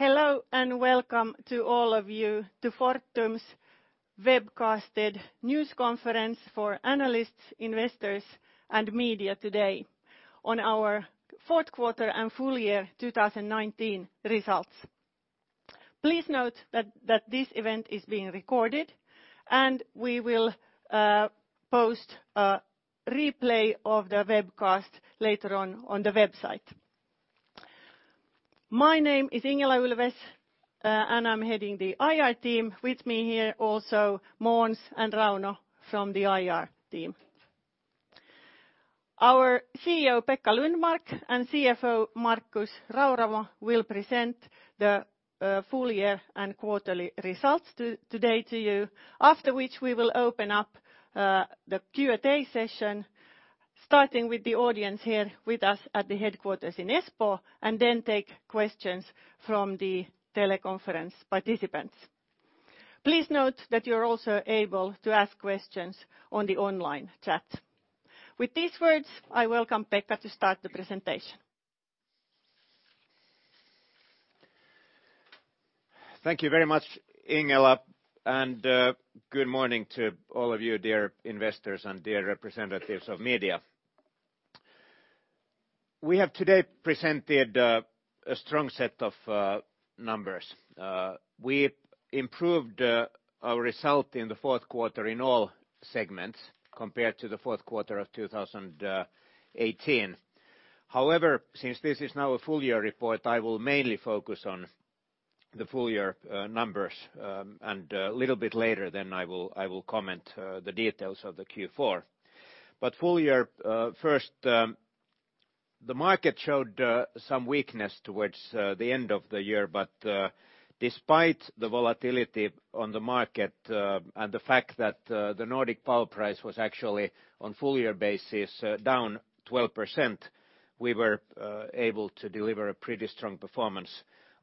Hello, and welcome to all of you to Fortum's webcasted news conference for analysts, investors, and media today on our fourth quarter and full year 2019 results. Please note that this event is being recorded, and we will post a replay of the webcast later on the website. My name is Ingela Ulfves, and I'm heading the IR team. With me here also, Måns and Rauno from the IR team. Our CEO Pekka Lundmark and CFO Markus Rauramo will present the full year and quarterly results today to you, after which we will open up the Q&A session, starting with the audience here with us at the headquarters in Espoo, and then take questions from the teleconference participants. Please note that you're also able to ask questions on the online chat. With these words, I welcome Pekka to start the presentation. Thank you very much, Ingela. Good morning to all of you, dear investors and dear representatives of media. We have today presented a strong set of numbers. We improved our result in the fourth quarter in all segments compared to the fourth quarter of 2018. Since this is now a full-year report, I will mainly focus on the full-year numbers, and a little bit later then I will comment the details of the Q4. Full-year first, the market showed some weakness towards the end of the year. Despite the volatility on the market, and the fact that the Nordic power price was actually, on full-year basis, down 12%, we were able to deliver a pretty strong performance.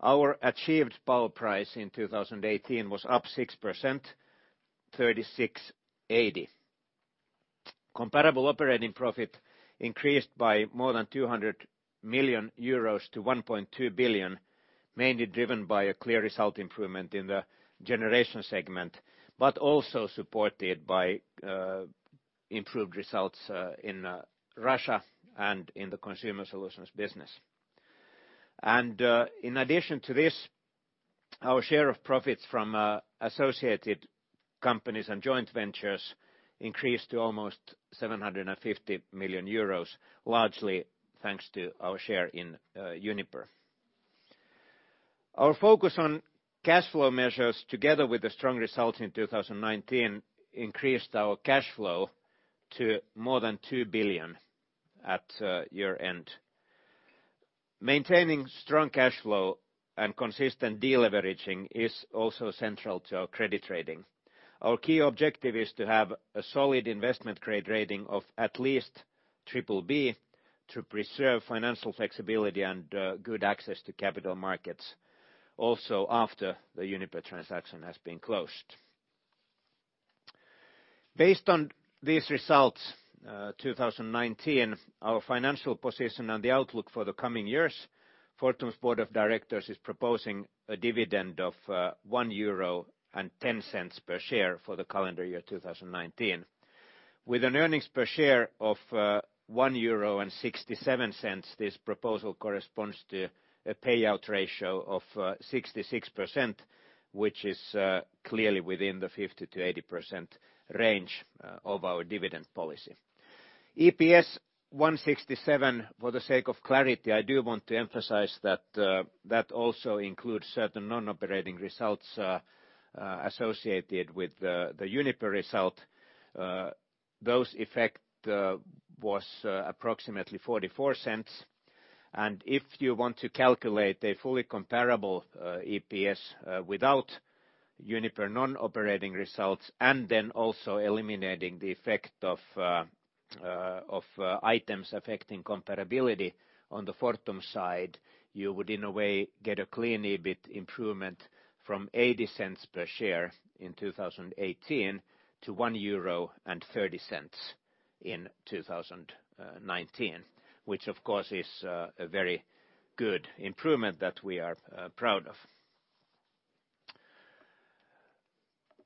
Our achieved power price in 2018 was up 6%, 36.80. Comparable operating profit increased by more than 200 million-1.2 billion euros, mainly driven by a clear result improvement in the generation segment, but also supported by improved results in Russia and in the Consumer Solutions business. In addition to this, our share of profits from associated companies and joint ventures increased to almost 750 million euros, largely thanks to our share in Uniper. Our focus on cash flow measures, together with the strong results in 2019, increased our cash flow to more than 2 billion at year-end. Maintaining strong cash flow and consistent deleveraging is also central to our credit rating. Our key objective is to have a solid investment-grade rating of at least BBB to preserve financial flexibility and good access to capital markets also after the Uniper transaction has been closed. Based on these results, 2019, our financial position and the outlook for the coming years, Fortum's board of directors is proposing a dividend of 1.10 euro per share for the calendar year 2019. With an earnings per share of 1.67 euro, this proposal corresponds to a payout ratio of 66%, which is clearly within the 50%-80% range of our dividend policy. EPS 1.67, for the sake of clarity, I do want to emphasize that that also includes certain non-operating results associated with the Uniper result. Those effect was approximately 0.44. If you want to calculate a fully comparable EPS without Uniper non-operating results, and then also eliminating the effect of items affecting comparability on the Fortum side, you would, in a way, get a clean EBIT improvement from 0.80 per share in 2018 to 1.30 euro in 2019, which, of course, is a very good improvement that we are proud of.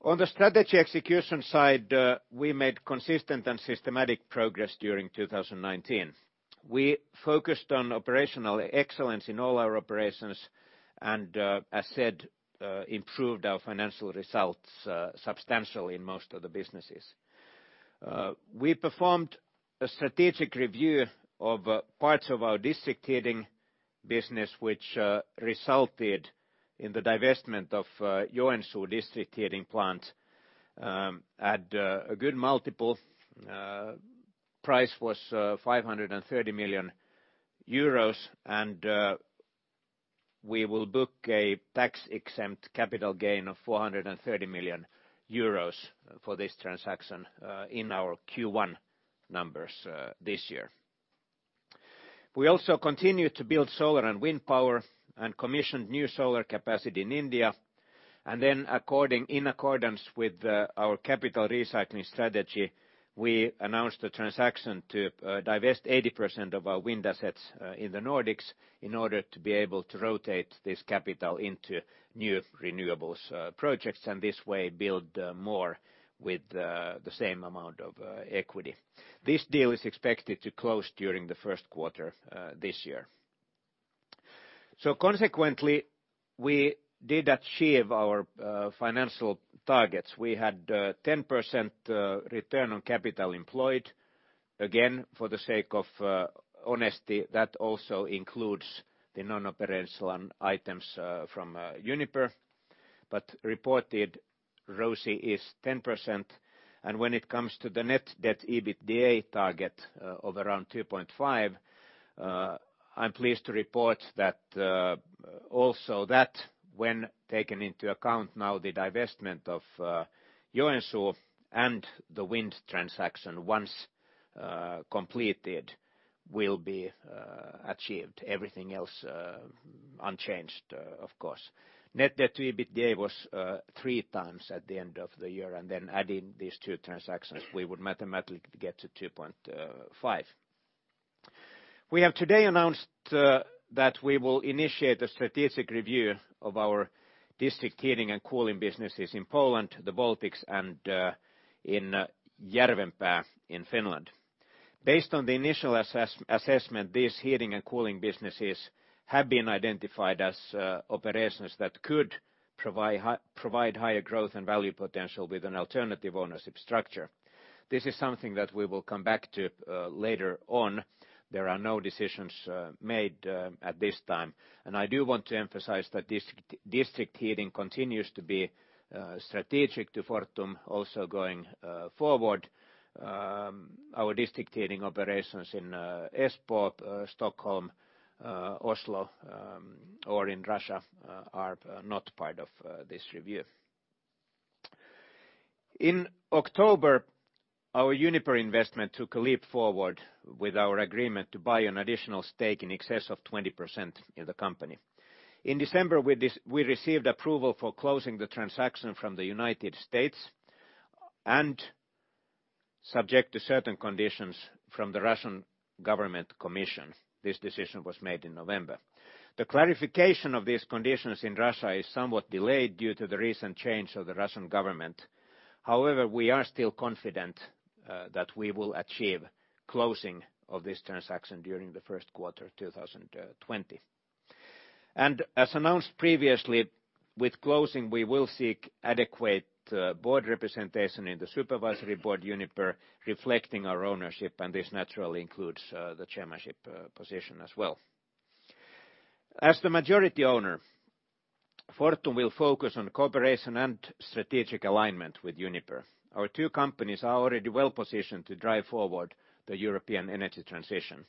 On the strategy execution side, we made consistent and systematic progress during 2019. We focused on operational excellence in all our operations, and as said, improved our financial results substantially in most of the businesses. We performed a strategic review of parts of our district heating business, which resulted in the divestment of Joensuu District Heating Plant at a good multiple. Price was 530 million euros. We will book a tax-exempt capital gain of 430 million euros for this transaction in our Q1 numbers this year. We also continue to build solar and wind power and commissioned new solar capacity in India. In accordance with our capital recycling strategy, we announced a transaction to divest 80% of our wind assets in the Nordics in order to be able to rotate this capital into new renewables projects, and this way build more with the same amount of equity. This deal is expected to close during the first quarter this year. Consequently, we did achieve our financial targets. We had 10% return on capital employed. Again, for the sake of honesty, that also includes the non-operational items from Uniper, but reported ROCE is 10%. When it comes to the net debt EBITDA target of around 2.5, I'm pleased to report that also that when taken into account now the divestment of Joensuu and the wind transaction once completed, will be achieved. Everything else unchanged, of course. Net debt to EBITDA was 3x at the end of the year, and then adding these two transactions, we would mathematically get to 2.5. We have today announced that we will initiate a strategic review of our district heating and cooling businesses in Poland, the Baltics, and in Järvenpää in Finland. Based on the initial assessment, these heating and cooling businesses have been identified as operations that could provide higher growth and value potential with an alternative ownership structure. This is something that we will come back to later on. There are no decisions made at this time. I do want to emphasize that district heating continues to be strategic to Fortum also going forward. Our district heating operations in Espoo, Stockholm, Oslo, or in Russia are not part of this review. In October, our Uniper investment took a leap forward with our agreement to buy an additional stake in excess of 20% in the company. In December, we received approval for closing the transaction from the United States, and subject to certain conditions from the Russian Government Commission. This decision was made in November. The clarification of these conditions in Russia is somewhat delayed due to the recent change of the Russian government. However, we are still confident that we will achieve closing of this transaction during the first quarter 2020. As announced previously, with closing, we will seek adequate board representation in the supervisory board, Uniper reflecting our ownership, and this naturally includes the chairmanship position as well. As the majority owner, Fortum will focus on cooperation and strategic alignment with Uniper. Our two companies are already well-positioned to drive forward the European energy transition.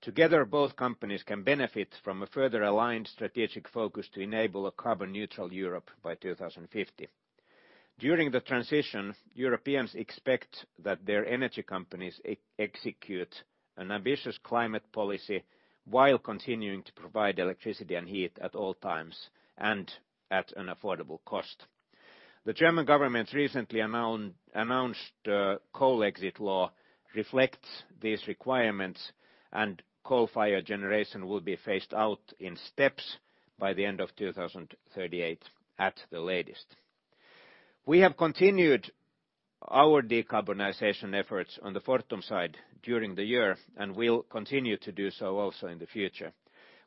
Together, both companies can benefit from a further aligned strategic focus to enable a carbon-neutral Europe by 2050. During the transition, Europeans expect that their energy companies execute an ambitious climate policy while continuing to provide electricity and heat at all times, and at an affordable cost. The German government's recently announced Coal Exit Law reflects these requirements, and coal-fired generation will be phased out in steps by the end of 2038 at the latest. We have continued our decarbonization efforts on the Fortum side during the year, and will continue to do so also in the future.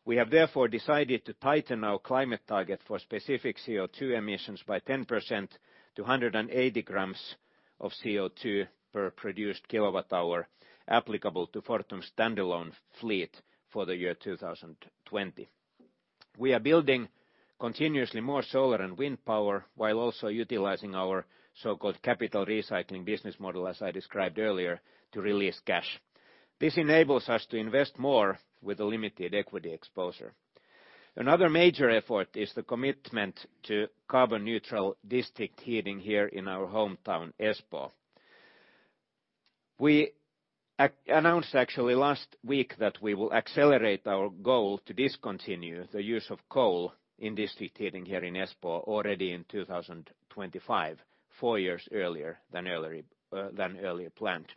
We have therefore decided to tighten our climate target for specific CO2 emissions by 10% to 180 grams of CO2 per produced KWh applicable to Fortum's standalone fleet for the year 2020. We are building continuously more solar and wind power while also utilizing our so-called capital recycling business model, as I described earlier, to release cash. This enables us to invest more with a limited equity exposure. Another major effort is the commitment to carbon-neutral district heating here in our hometown, Espoo. We announced actually last week that we will accelerate our goal to discontinue the use of coal in district heating here in Espoo already in 2025, four years earlier than earlier planned.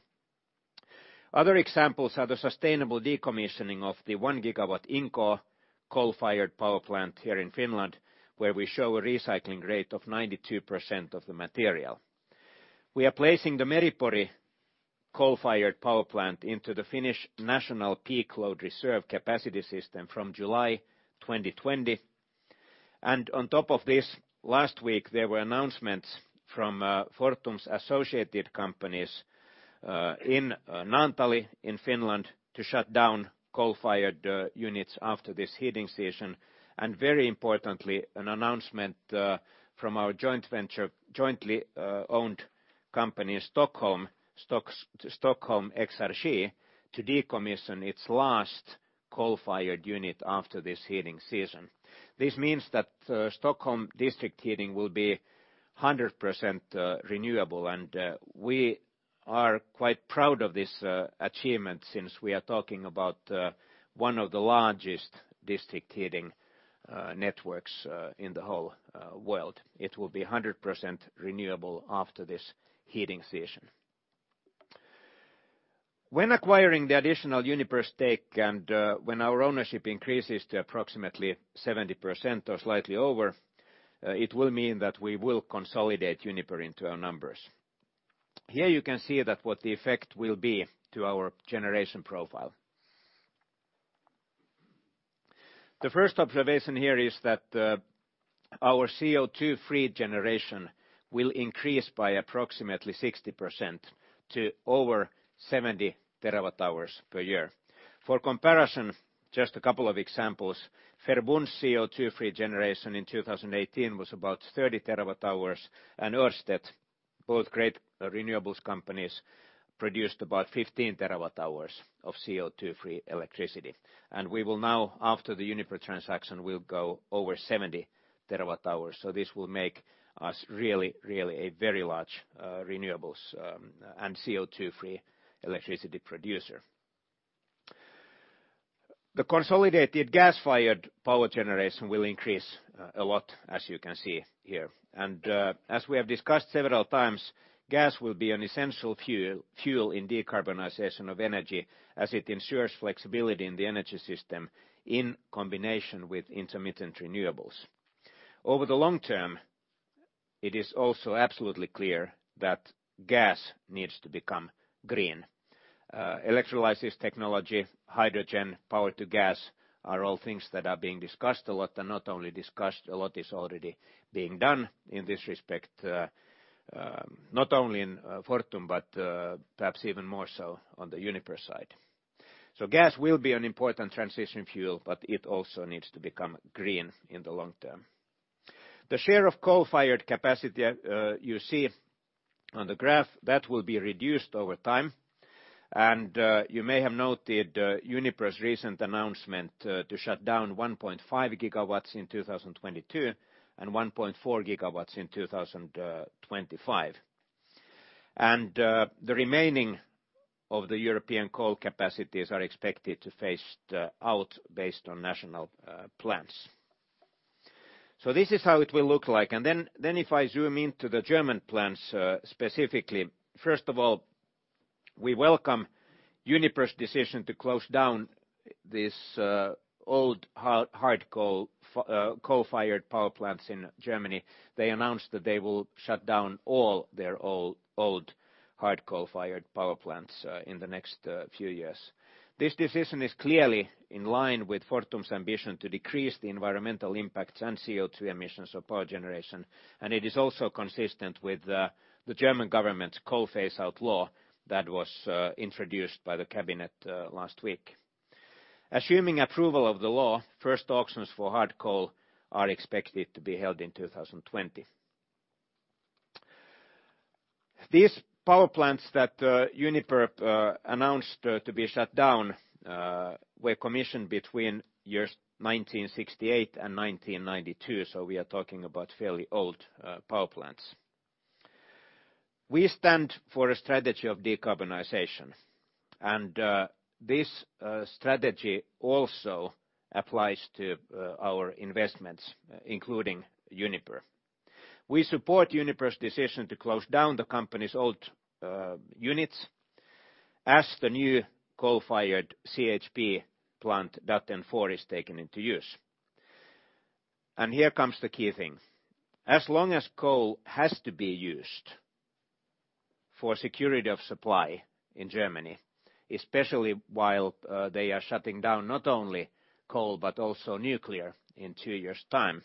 Other examples are the sustainable decommissioning of the 1 GW Inkoo coal-fired power plant here in Finland, where we show a recycling rate of 92% of the material. We are placing the Meripori coal-fired power plant into the Finnish national peak load reserve capacity system from July 2020. On top of this, last week, there were announcements from Fortum's associated companies in Naantali in Finland to shut down coal-fired units after this heating season, and very importantly, an announcement from our jointly owned company in Stockholm Exergi, to decommission its last coal-fired unit after this heating season. This means that Stockholm district heating will be 100% renewable, and we are quite proud of this achievement since we are talking about one of the largest district heating networks in the whole world. It will be 100% renewable after this heating season. When acquiring the additional Uniper stake and when our ownership increases to approximately 70% or slightly over, it will mean that we will consolidate Uniper into our numbers. Here you can see that what the effect will be to our generation profile. The first observation here is that our CO2-free generation will increase by approximately 60% to over 70 TWh per year. For comparison, just a couple of examples. Verbund's CO2-free generation in 2018 was about 30 TWh, and Ørsted, both great renewables companies, produced about 15 TWh of CO2-free electricity. We will now, after the Uniper transaction, will go over 70 TWh. This will make us really a very large renewables and CO2-free electricity producer. The consolidated gas-fired power generation will increase a lot, as you can see here. As we have discussed several times, gas will be an essential fuel in decarbonization of energy as it ensures flexibility in the energy system in combination with intermittent renewables. Over the long term, it is also absolutely clear that gas needs to become green. Electrolysis technology, hydrogen, power-to-gas are all things that are being discussed a lot, and not only discussed, a lot is already being done in this respect, not only in Fortum, but perhaps even more so on the Uniper side. Gas will be an important transition fuel, but it also needs to become green in the long term. The share of coal-fired capacity you see on the graph, that will be reduced over time. You may have noted Uniper's recent announcement to shut down 1.5 GW in 2022 and 1.4 GW in 2025. The remaining of the European coal capacities are expected to phase out based on national plans. This is how it will look like. If I zoom into the German plans specifically, first of all, we welcome Uniper's decision to close down these old hard coal-fired power plants in Germany. They announced that they will shut down all their old hard coal-fired power plants in the next few years. This decision is clearly in line with Fortum's ambition to decrease the environmental impacts and CO2 emissions of power generation, and it is also consistent with the German government's Coal Exit Act that was introduced by the cabinet last week. Assuming approval of the law, first auctions for hard coal are expected to be held in 2020. These power plants that Uniper announced to be shut down were commissioned between years 1968 and 1992, so we are talking about fairly old power plants. We stand for a strategy of decarbonization, and this strategy also applies to our investments, including Uniper. We support Uniper's decision to close down the company's old units as the new coal-fired CHP plant, Datteln 4, is taken into use. Here comes the key thing. As long as coal has to be used for security of supply in Germany, especially while they are shutting down not only coal but also nuclear in two years' time,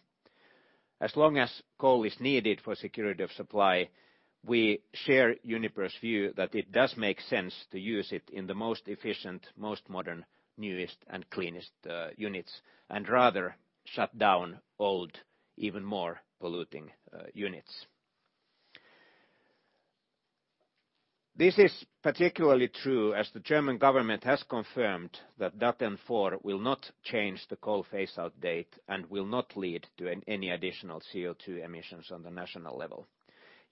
as long as coal is needed for security of supply, we share Uniper's view that it does make sense to use it in the most efficient, most modern, newest, and cleanest units, and rather shut down old, even more polluting units. This is particularly true as the German government has confirmed that Datteln 4 will not change the coal phase-out date and will not lead to any additional CO2 emissions on the national level.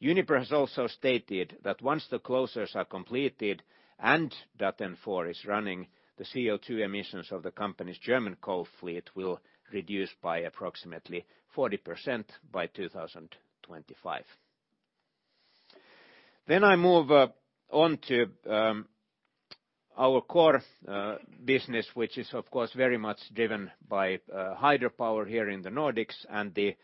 Uniper has also stated that once the closures are completed and Datteln 4 is running, the CO2 emissions of the company's German coal fleet will reduce by approximately 40% by 2025. I move on to our core business, which is, of course, very much driven by hydropower here in the Nordics and the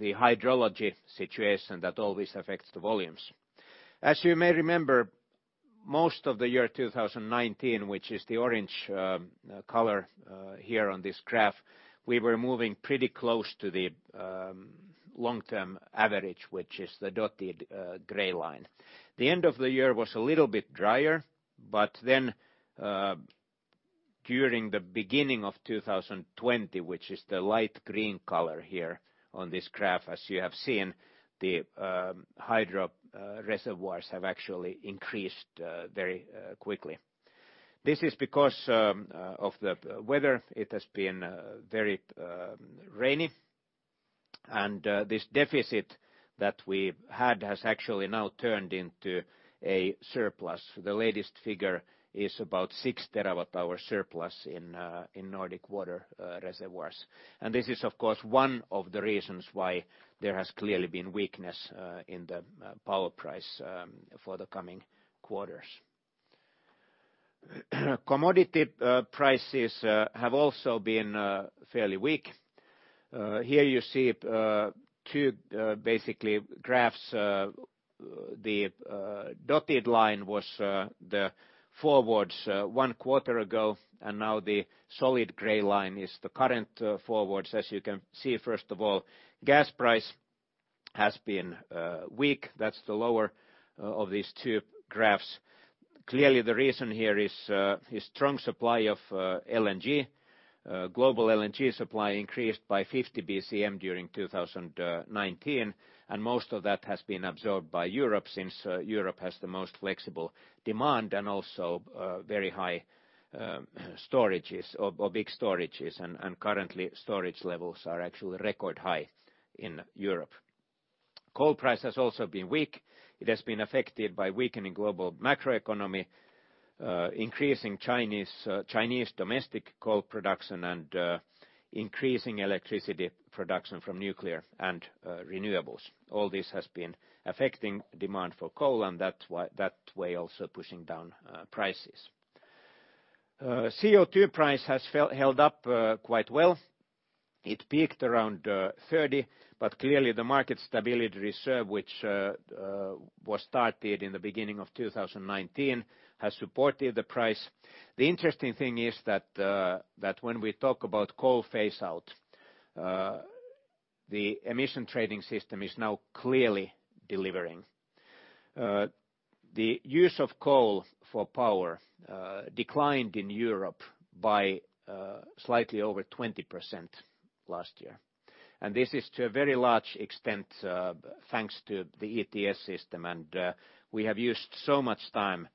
hydrology situation that always affects the volumes. As you may remember, most of the year 2019, which is the orange color here on this graph, we were moving pretty close to the long-term average, which is the dotted gray line. The end of the year was a little bit drier. During the beginning of 2020, which is the light green color here on this graph, as you have seen, the hydro reservoirs have actually increased very quickly. This is because of the weather. It has been very rainy, and this deficit that we had has actually now turned into a surplus. The latest figure is about six TWh surplus in Nordic water reservoirs. This is, of course, one of the reasons why there has clearly been weakness in the power price for the coming quarters. Commodity prices have also been fairly weak. Here you see two graphs. The dotted line was the forwards one quarter ago, and now the solid gray line is the current forwards. As you can see, first of all, gas price has been weak. That's the lower of these two graphs. The reason here is strong supply of LNG. Global LNG supply increased by 50 BCM during 2019, most of that has been absorbed by Europe, since Europe has the most flexible demand and also very high storages, or big storages. Currently, storage levels are actually record high in Europe. Coal price has also been weak. It has been affected by weakening global macroeconomy, increasing Chinese domestic coal production, and increasing electricity production from nuclear and renewables. All this has been affecting demand for coal, and that way also pushing down prices. CO2 price has held up quite well. It peaked around 30, but clearly the Market Stability Reserve, which was started in the beginning of 2019, has supported the price. The interesting thing is that when we talk about coal phase-out, the emission trading system is now clearly delivering. The use of coal for power declined in Europe by slightly over 20% last year. This is to a very large extent, thanks to the ETS system. We have used so much time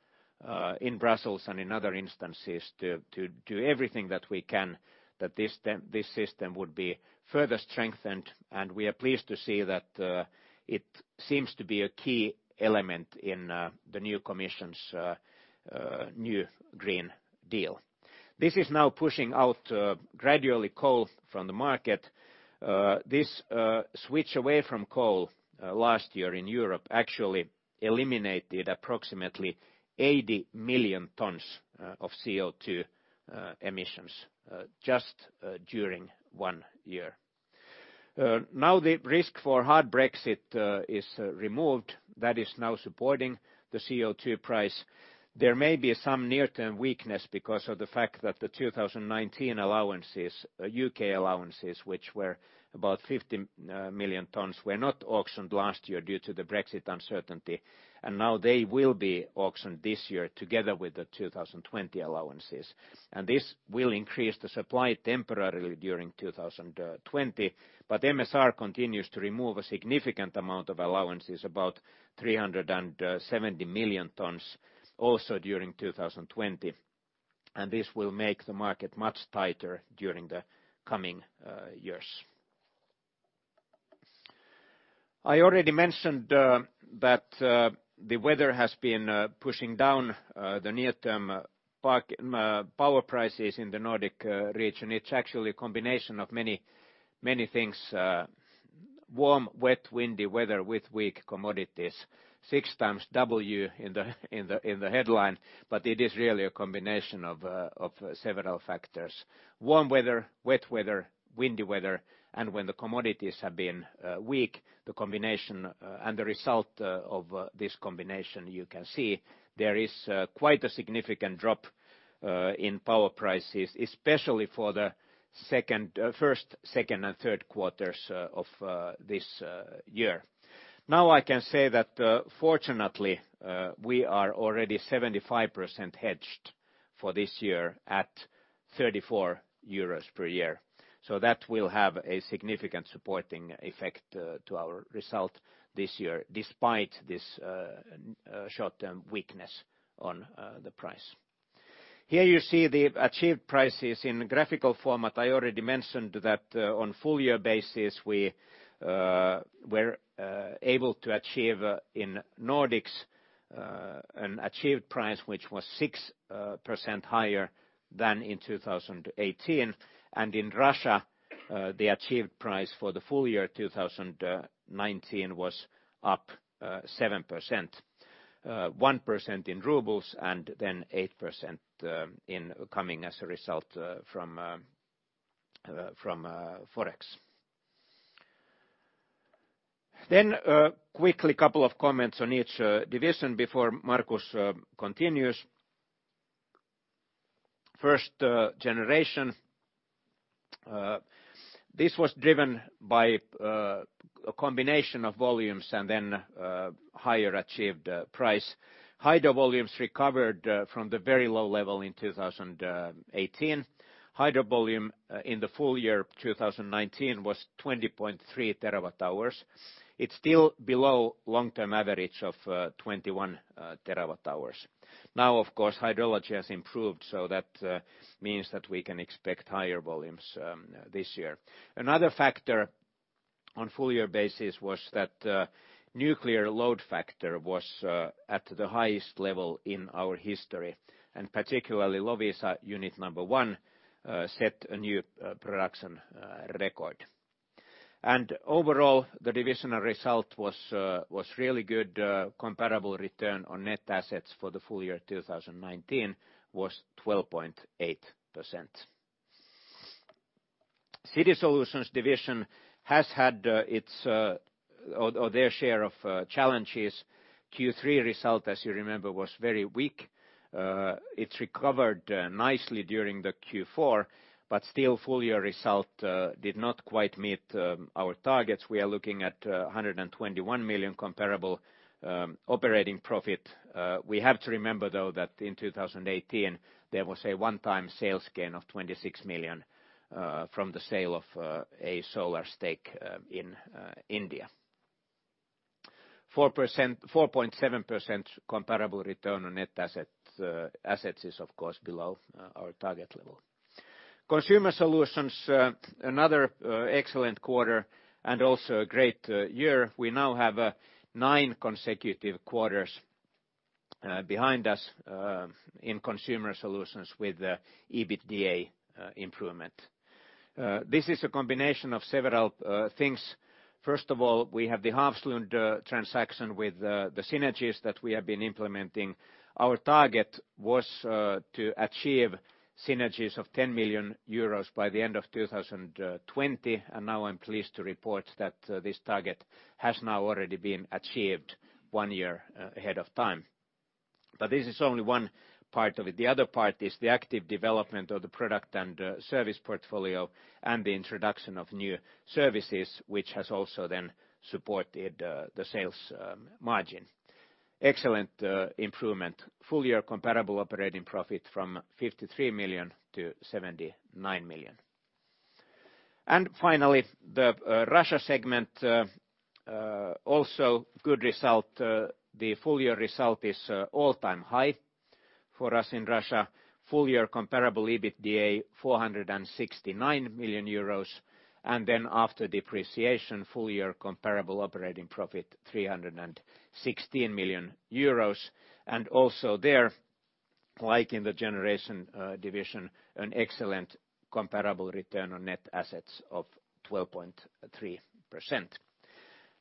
in Brussels and in other instances to do everything that we can, that this system would be further strengthened, and we are pleased to see that it seems to be a key element in the new commission's new European Green Deal. This is now pushing out gradually coal from the market. This switch away from coal last year in Europe actually eliminated approximately 80 million tons of CO2 emissions just during one year. Now the risk for hard Brexit is removed. That is now supporting the CO2 price. There may be some near-term weakness because of the fact that the 2019 allowances, U.K. allowances, which were about 50 million tons, were not auctioned last year due to the Brexit uncertainty. Now they will be auctioned this year together with the 2020 allowances. This will increase the supply temporarily during 2020. MSR continues to remove a significant amount of allowances, about 370 million tons, also during 2020. This will make the market much tighter during the coming years. I already mentioned that the weather has been pushing down the near-term power prices in the Nordic region. It's actually a combination of many things. Warm, wet, windy weather with weak commodities. Six times W in the headline, but it is really a combination of several factors. Warm weather, wet weather, windy weather, and when the commodities have been weak, and the result of this combination, you can see there is quite a significant drop in power prices, especially for the first, second, and third quarters of this year. Now I can say that, fortunately, we are already 75% hedged for this year at 34 euros per year. That will have a significant supporting effect to our result this year, despite this short-term weakness on the price. Here you see the achieved prices in graphical format. I already mentioned that on full year basis, we were able to achieve in Nordics an achieved price, which was 6% higher than in 2018. In Russia, the achieved price for the full year 2019 was up 7%, 1% in RUB, and then 8% in coming as a result from Forex. Quickly, couple of comments on each division before Markus continues. First, generation. This was driven by a combination of volumes and then higher achieved price. Hydro volumes recovered from the very low level in 2018. Hydro volume in the full year 2019 was 20.3 TWh. It's still below long-term average of 21 TWh. Now, of course, hydrology has improved, so that means that we can expect higher volumes this year. Another factor on full-year basis was that nuclear load factor was at the highest level in our history, and particularly Loviisa unit number 1 set a new production record. Overall, the divisional result was really good. Comparable return on net assets for the full year 2019 was 12.8%. City Solutions division has had their share of challenges. Q3 result, as you remember, was very weak. It's recovered nicely during the Q4, still full-year result did not quite meet our targets. We are looking at 121 million comparable operating profit. We have to remember though, that in 2018 there was a one-time sales gain of 26 million from the sale of a solar stake in India. 4.7% comparable return on net assets is, of course, below our target level. Consumer Solutions, another excellent quarter and also a great year. We now have nine consecutive quarters behind us in Consumer Solutions with the EBITDA improvement. This is a combination of several things. First of all, we have the Hafslund transaction with the synergies that we have been implementing. Our target was to achieve synergies of 10 million euros by the end of 2020, now I'm pleased to report that this target has now already been achieved one year ahead of time. This is only one part of it. The other part is the active development of the product and service portfolio and the introduction of new services, which has also then supported the sales margin. Excellent improvement. Full-year comparable operating profit from 53 million to 79 million. Finally, the Russia segment, also good result. The full-year result is all-time high for us in Russia. Full-year comparable EBITDA 469 million euros, and then after depreciation, full-year comparable operating profit 316 million euros. Also there, like in the Generation Division, an excellent comparable return on net assets of 12.3%.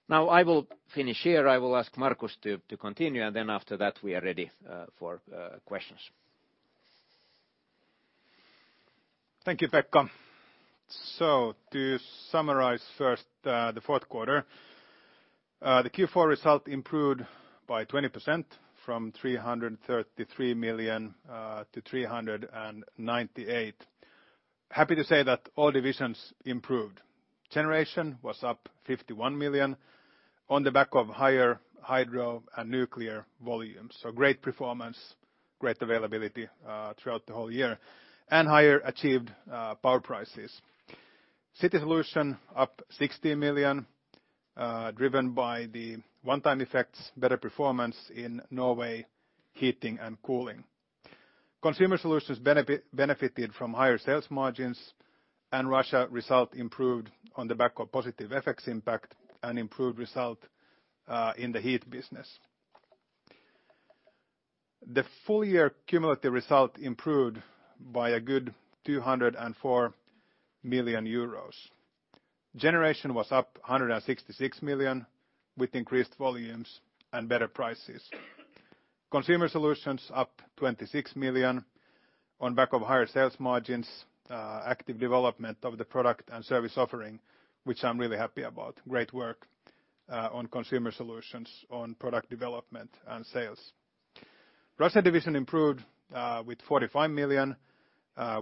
Now I will finish here. I will ask Markus to continue, and then after that, we are ready for questions. Thank you, Pekka. To summarize first the fourth quarter. The Q4 result improved by 20% from 333 million to 398 million. Happy to say that all divisions improved. Generation was up 51 million on the back of higher hydro and nuclear volumes. Great performance, great availability throughout the whole year, and higher achieved power prices. City Solution up 16 million, driven by the one-time effects, better performance in Norway, heating and cooling. Consumer Solutions benefited from higher sales margins, and Russia result improved on the back of positive FX impact and improved result in the heat business. The full-year cumulative result improved by a good 204 million euros. Generation was up 166 million, with increased volumes and better prices. Consumer Solutions up 26 million on back of higher sales margins, active development of the product and service offering, which I'm really happy about. Great work on Consumer Solutions on product development and sales. Russia division improved with 45 million,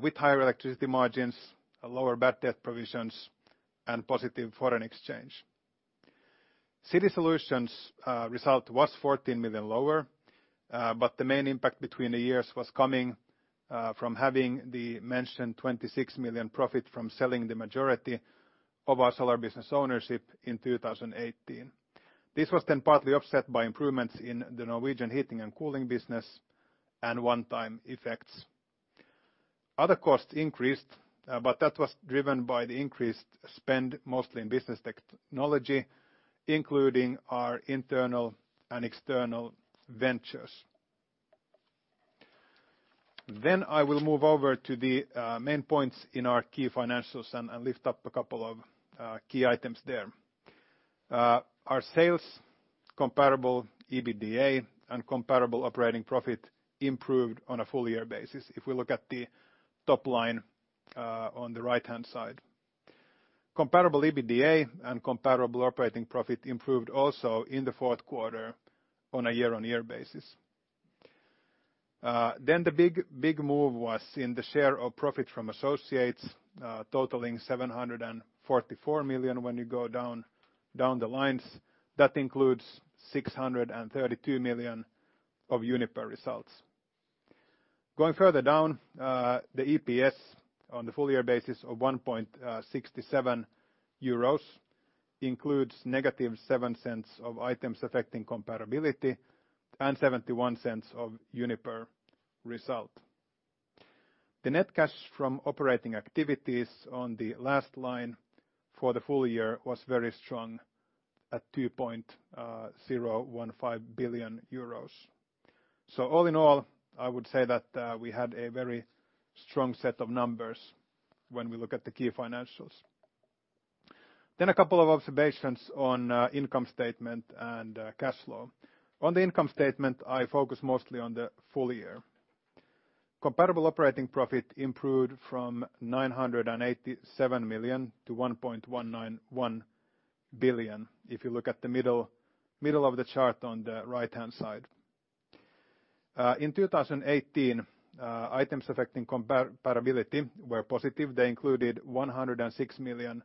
with higher electricity margins, lower bad debt provisions, and positive foreign exchange. City Solution's result was 14 million lower. The main impact between the years was coming from having the mentioned 26 million profit from selling the majority of our solar business ownership in 2018. This was partly offset by improvements in the Norwegian heating and cooling business and one-time effects. Other costs increased, that was driven by the increased spend, mostly in business technology, including our internal and external ventures. I will move over to the main points in our key financials and lift up a couple of key items there. Our sales comparable EBITDA and comparable operating profit improved on a full-year basis if we look at the top line on the right-hand side. Comparable EBITDA and comparable operating profit improved also in the fourth quarter on a year-on-year basis. The big move was in the share of profit from associates totaling 744 million when you go down the lines. That includes 632 million of Uniper results. Going further down, the EPS on the full-year basis of 1.67 euros includes -0.07 of items affecting comparability and 0.71 of Uniper result. The net cash from operating activities on the last line for the full year was very strong at 2.015 billion euros. All in all, I would say that we had a very strong set of numbers when we look at the key financials. A couple of observations on income statement and cash flow. On the income statement, I focus mostly on the full year. Comparable operating profit improved from 987 million to 1.191 billion, if you look at the middle of the chart on the right-hand side. In 2018, items affecting comparability were positive. They included 106 million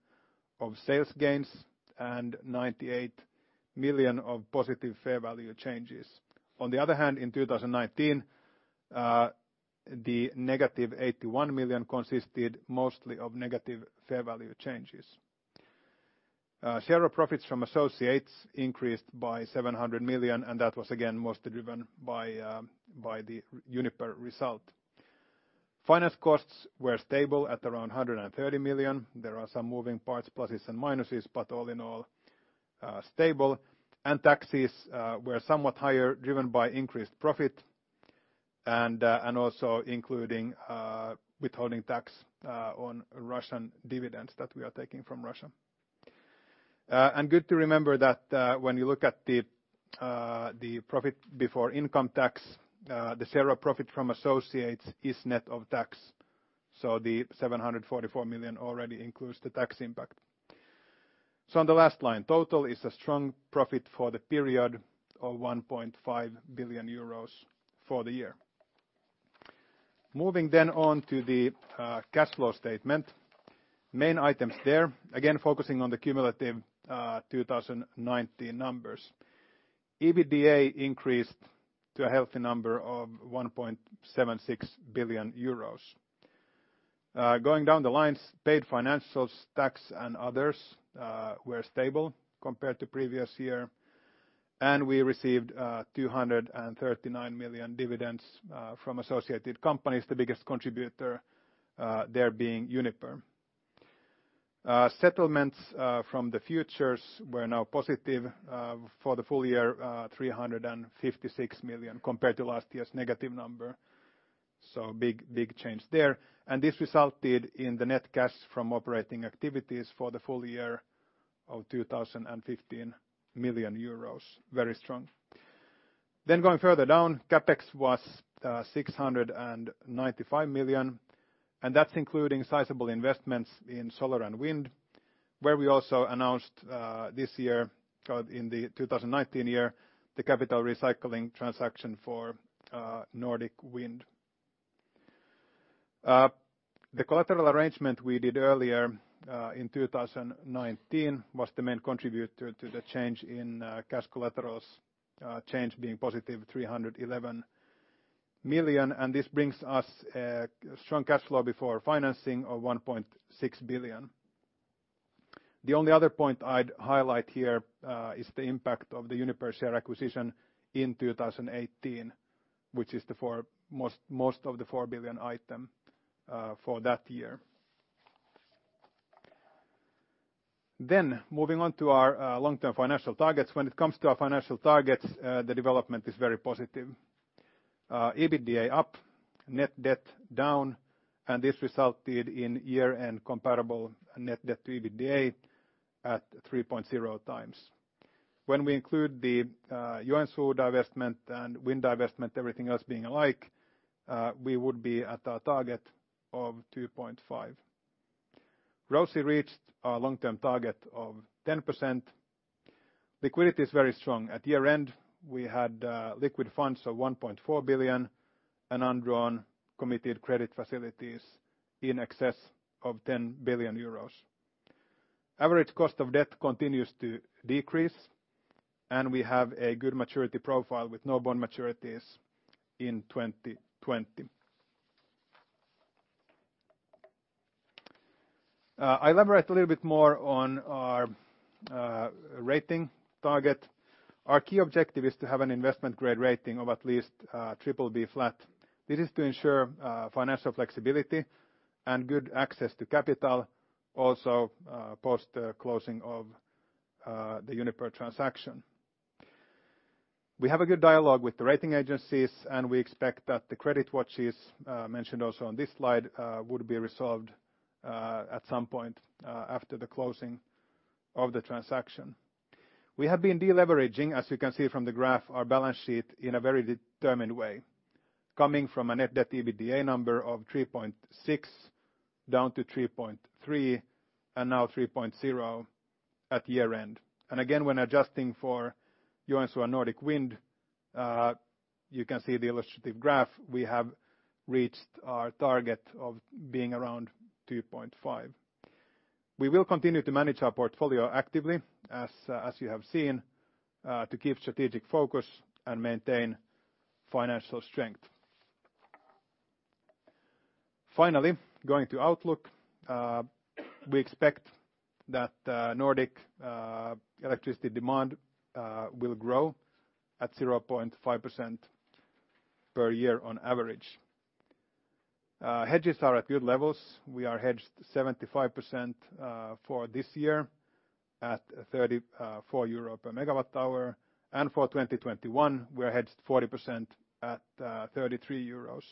of sales gains and 98 million of positive fair value changes. On the other hand, in 2019, the negative 81 million consisted mostly of negative fair value changes. Share of profits from associates increased by 700 million, and that was again, mostly driven by the Uniper result. Finance costs were stable at around 130 million. There are some moving parts, plusses and minuses, but all in all stable. Taxes were somewhat higher driven by increased profit and also including withholding tax on Russian dividends that we are taking from Russia. Good to remember that when you look at the profit before income tax, the share of profit from associates is net of tax. The 744 million already includes the tax impact. On the last line, total is a strong profit for the period of 1.5 billion euros for the year. Moving on to the cash flow statement. Main items there, again focusing on the cumulative 2019 numbers. EBITDA increased to a healthy number of 1.76 billion euros. Going down the lines, paid financials, tax, and others were stable compared to previous year. We received 239 million dividends from associated companies, the biggest contributor there being Uniper. Settlements from the futures were now positive for the full year, 356 million compared to last year's negative number, big change there. This resulted in the net cash from operating activities for the full year of 2,015 million euros. Very strong. Going further down, CapEx was 695 million, and that's including sizable investments in solar and wind, where we also announced this year, in 2019, the capital recycling transaction for Nordic wind. The collateral arrangement we did earlier in 2019 was the main contributor to the change in cash collaterals change being positive 311 million, this brings us a strong cash flow before financing of 1.6 billion. The only other point I'd highlight here is the impact of the Uniper share acquisition in 2018, which is most of the 4 billion item for that year. Moving on to our long-term financial targets. When it comes to our financial targets, the development is very positive. EBITDA up, net debt down, this resulted in year-end comparable net debt to EBITDA at 3.0x. When we include the Joensuu divestment and wind divestment, everything else being alike, we would be at our target of 2.5. ROCE reached our long-term target of 10%. Liquidity is very strong. At year-end, we had liquid funds of 1.4 billion and undrawn committed credit facilities in excess of 10 billion euros. Average cost of debt continues to decrease. We have a good maturity profile with no bond maturities in 2020. I elaborate a little bit more on our rating target. Our key objective is to have an investment-grade rating of at least BBB flat. This is to ensure financial flexibility and good access to capital also post the closing of the Uniper transaction. We have a good dialogue with the rating agencies. We expect that the credit watches mentioned also on this slide would be resolved at some point after the closing of the transaction. We have been de-leveraging, as you can see from the graph, our balance sheet in a very determined way, coming from a net debt to EBITDA number of 3.6 down to 3.3, and now 3.0 at year-end. Again, when adjusting for Joensuu and Nordic wind, you can see the illustrative graph. We have reached our target of being around 2.5. We will continue to manage our portfolio actively, as you have seen, to keep strategic focus and maintain financial strength. Finally, going to outlook. We expect that Nordic electricity demand will grow at 0.5% per year on average. Hedges are at good levels. We are hedged 75% for this year at 34 euro per MWh, and for 2021, we are hedged 40% at 33 euros.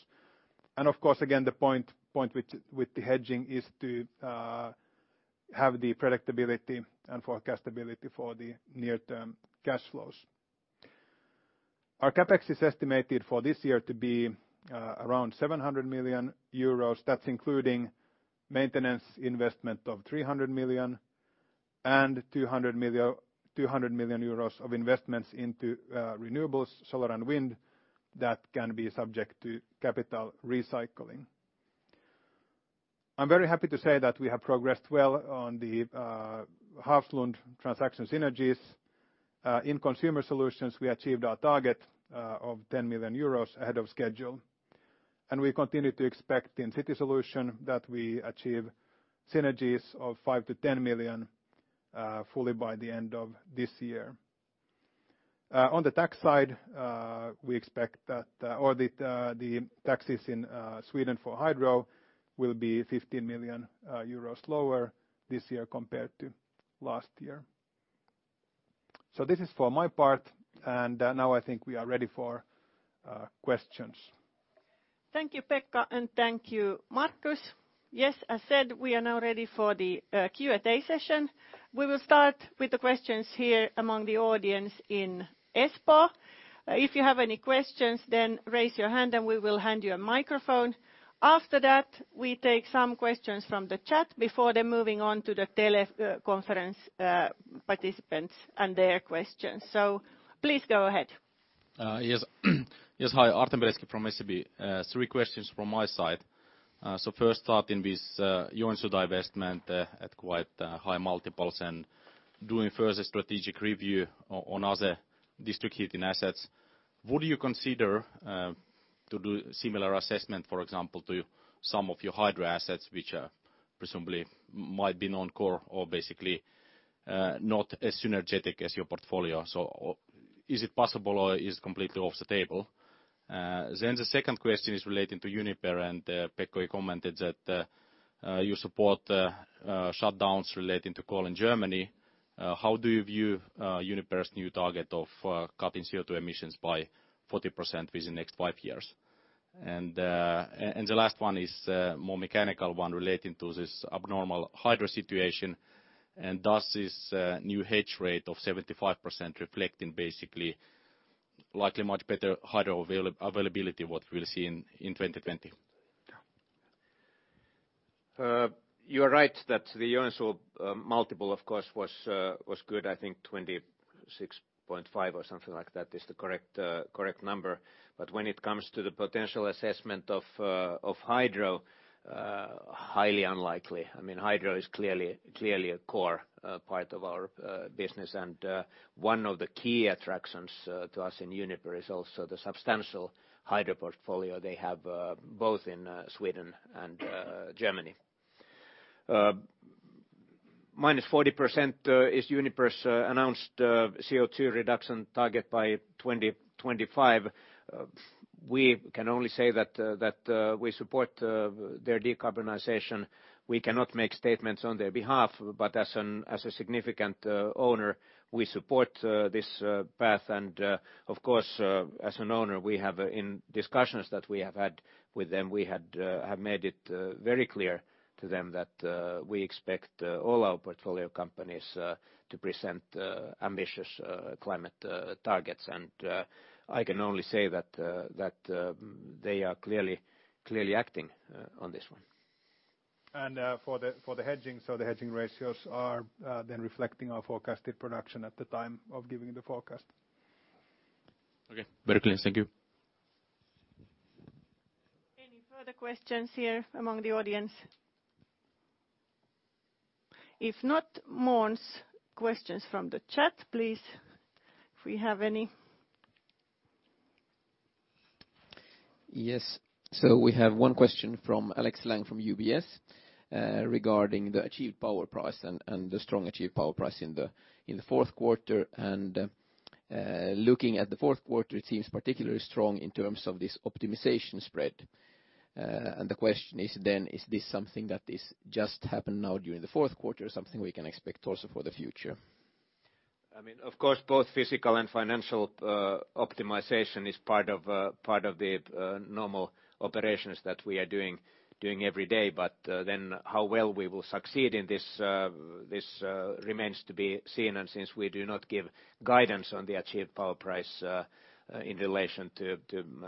Of course, again, the point with the hedging is to have the predictability and forecastability for the near-term cash flows. Our CapEx is estimated for this year to be around 700 million euros. That's including maintenance investment of 300 million and 200 million euros of investments into renewables, solar and wind, that can be subject to capital recycling. I'm very happy to say that we have progressed well on the Hafslund transaction synergies. In Consumer Solutions, we achieved our target of 10 million euros ahead of schedule, and we continue to expect in City Solution that we achieve synergies of 5 million-10 million fully by the end of this year. On the tax side, we expect that all the taxes in Sweden for hydro will be 15 million euros lower this year compared to last year. This is for my part, and now I think we are ready for questions. Thank you, Pekka, and thank you, Markus. Yes, as said, we are now ready for the Q&A session. We will start with the questions here among the audience in Espoo. If you have any questions, then raise your hand and we will hand you a microphone. After that, we take some questions from the chat before then moving on to the teleconference participants and their questions. Please go ahead. Yes. Hi, Artem Beletski from SEB. Three questions from my side. First starting with your divestment at quite high multiples and doing further strategic review on other district heating assets. Would you consider to do similar assessment, for example, to some of your hydro assets, which presumably might be non-core or basically not as synergetic as your portfolio? Is it possible, or is it completely off the table? The second question is relating to Uniper, and Pekka, you commented that you support shutdowns relating to coal in Germany. How do you view Uniper's new target of cutting CO2 emissions by 40% within the next five years? The last one is a more mechanical one relating to this abnormal hydro situation, and does this new hedge rate of 75% reflect in basically likely much better hydro availability what we'll see in 2020? You are right that the Joensuu multiple, of course, was good. I think 26.5 or something like that is the correct number. When it comes to the potential assessment of hydro, highly unlikely. Hydro is clearly a core part of our business, and one of the key attractions to us in Uniper is also the substantial hydro portfolio they have both in Sweden and Germany. -40% is Uniper's announced CO2 reduction target by 2025. We can only say that we support their decarbonization. We cannot make statements on their behalf, as a significant owner, we support this path. Of course, as an owner, in discussions that we have had with them, we have made it very clear to them that we expect all our portfolio companies to present ambitious climate targets. I can only say that they are clearly acting on this one. For the hedging, the hedging ratios are then reflecting our forecasted production at the time of giving the forecast. Okay. Very clear. Thank you. Any further questions here among the audience? If not, Måns, questions from the chat, please, if we have any. Yes. We have one question from Alex Lang from UBS regarding the achieved power price and the strong achieved power price in the fourth quarter. Looking at the fourth quarter, it seems particularly strong in terms of this optimization spread. The question is then, is this something that is just happened now during the fourth quarter or something we can expect also for the future? Of course, both physical and financial optimization is part of the normal operations that we are doing every day, how well we will succeed in this remains to be seen. Since we do not give guidance on the achieved power price in relation to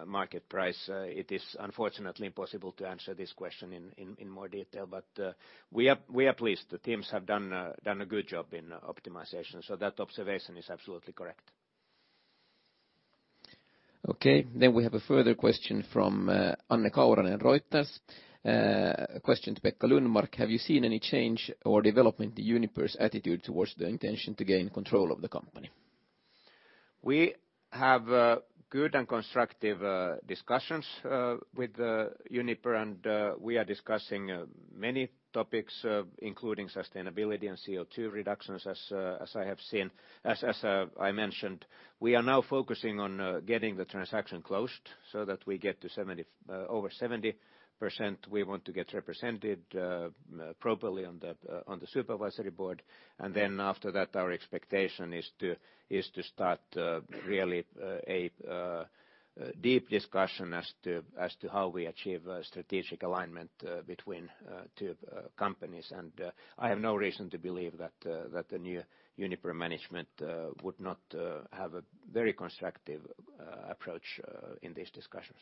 market price, it is unfortunately impossible to answer this question in more detail. We are pleased. The teams have done a good job in optimization, that observation is absolutely correct. Okay. We have a further question from Anne Kauranen at Reuters. A question to Pekka Lundmark. Have you seen any change or development in Uniper's attitude towards the intention to gain control of the company? We have good and constructive discussions with Uniper, and we are discussing many topics including sustainability and CO2 reductions, as I mentioned. We are now focusing on getting the transaction closed so that we get to over 70%. We want to get represented properly on the supervisory board. Then after that, our expectation is to start really a deep discussion as to how we achieve strategic alignment between two companies. I have no reason to believe that the new Uniper management would not have a very constructive approach in these discussions.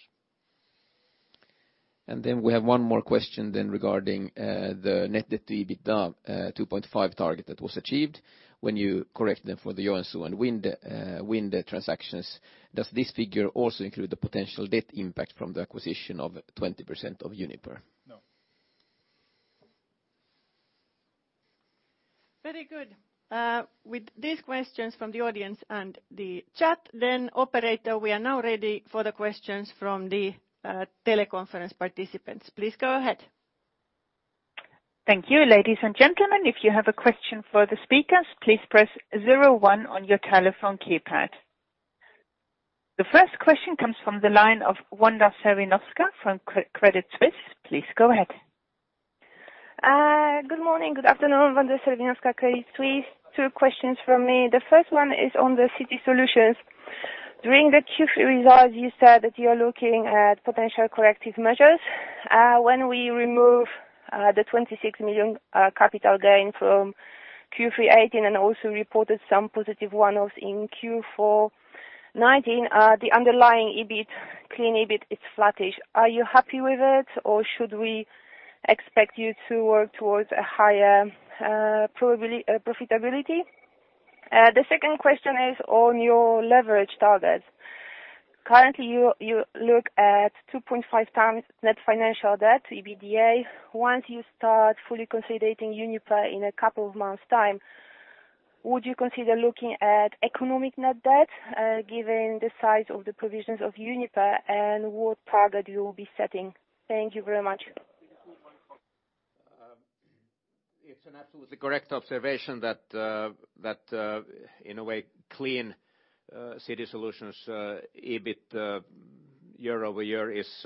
We have one more question then regarding the net debt to EBITDA 2.5 target that was achieved when you correct them for the Joensuu and wind transactions. Does this figure also include the potential debt impact from the acquisition of 20% of Uniper? No. Very good. With these questions from the audience and the chat then operator, we are now ready for the questions from the teleconference participants. Please go ahead. Thank you. Ladies and gentlemen, if you have a question for the speakers, please press zero one on your telephone keypad. The first question comes from the line of Wanda Serwinowska from Credit Suisse. Please go ahead. Good morning. Good afternoon. Wanda Serwinowska, Credit Suisse. Two questions from me. The first one is on the Consumer Solutions. During the Q3 results, you said that you're looking at potential corrective measures. When we remove the 26 million capital gain from Q3 2018 and also reported some positive one-offs in Q4 2019, the underlying clean EBIT is flattish. Are you happy with it, or should we expect you to work towards a higher profitability? The second question is on your leverage targets. Currently, you look at 2.5x net financial debt to EBITDA. Once you start fully consolidating Uniper in a couple of months' time, would you consider looking at economic net debt, given the size of the provisions of Uniper, and what target you will be setting? Thank you very much. It's an absolutely correct observation that in a way Consumer Solutions EBIT year-over-year is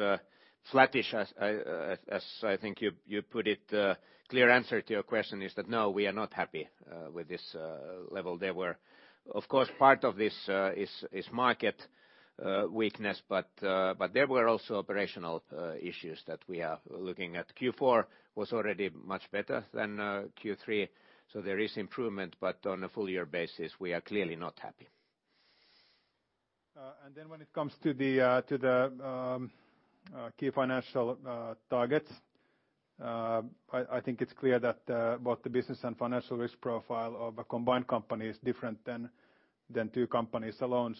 flattish as I think you put it. Clear answer to your question is that no, we are not happy with this level. Of course, part of this is market weakness, but there were also operational issues that we are looking at. Q4 was already much better than Q3, so there is improvement, but on a full-year basis, we are clearly not happy. When it comes to the key financial targets, I think it's clear that both the business and financial risk profile of a combined company is different than two companies alone.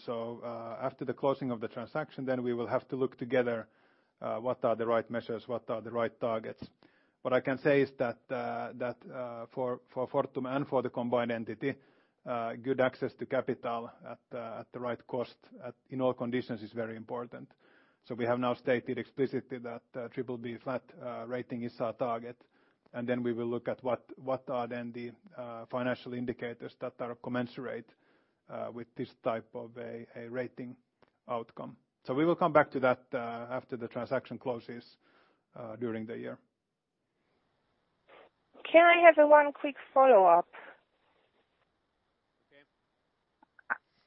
After the closing of the transaction, then we will have to look together what are the right measures, what are the right targets. What I can say is that for Fortum and for the combined entity, good access to capital at the right cost in all conditions is very important. We have now stated explicitly that BBB flat rating is our target, and then we will look at what are then the financial indicators that are commensurate with this type of a rating outcome. We will come back to that after the transaction closes during the year. Can I have one quick follow-up?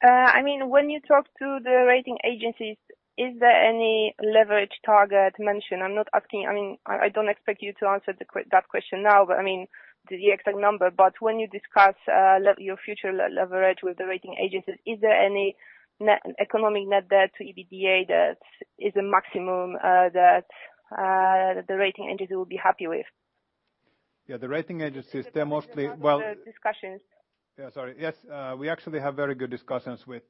Okay. When you talk to the rating agencies, is there any leverage target mentioned? I don't expect you to answer that question now, the exact number. When you discuss your future leverage with the rating agencies, is there any economic net debt to EBITDA that is a maximum that the rating agency will be happy with? Yeah, the rating agencies, they're. The discussions. Yes. We actually have very good discussions with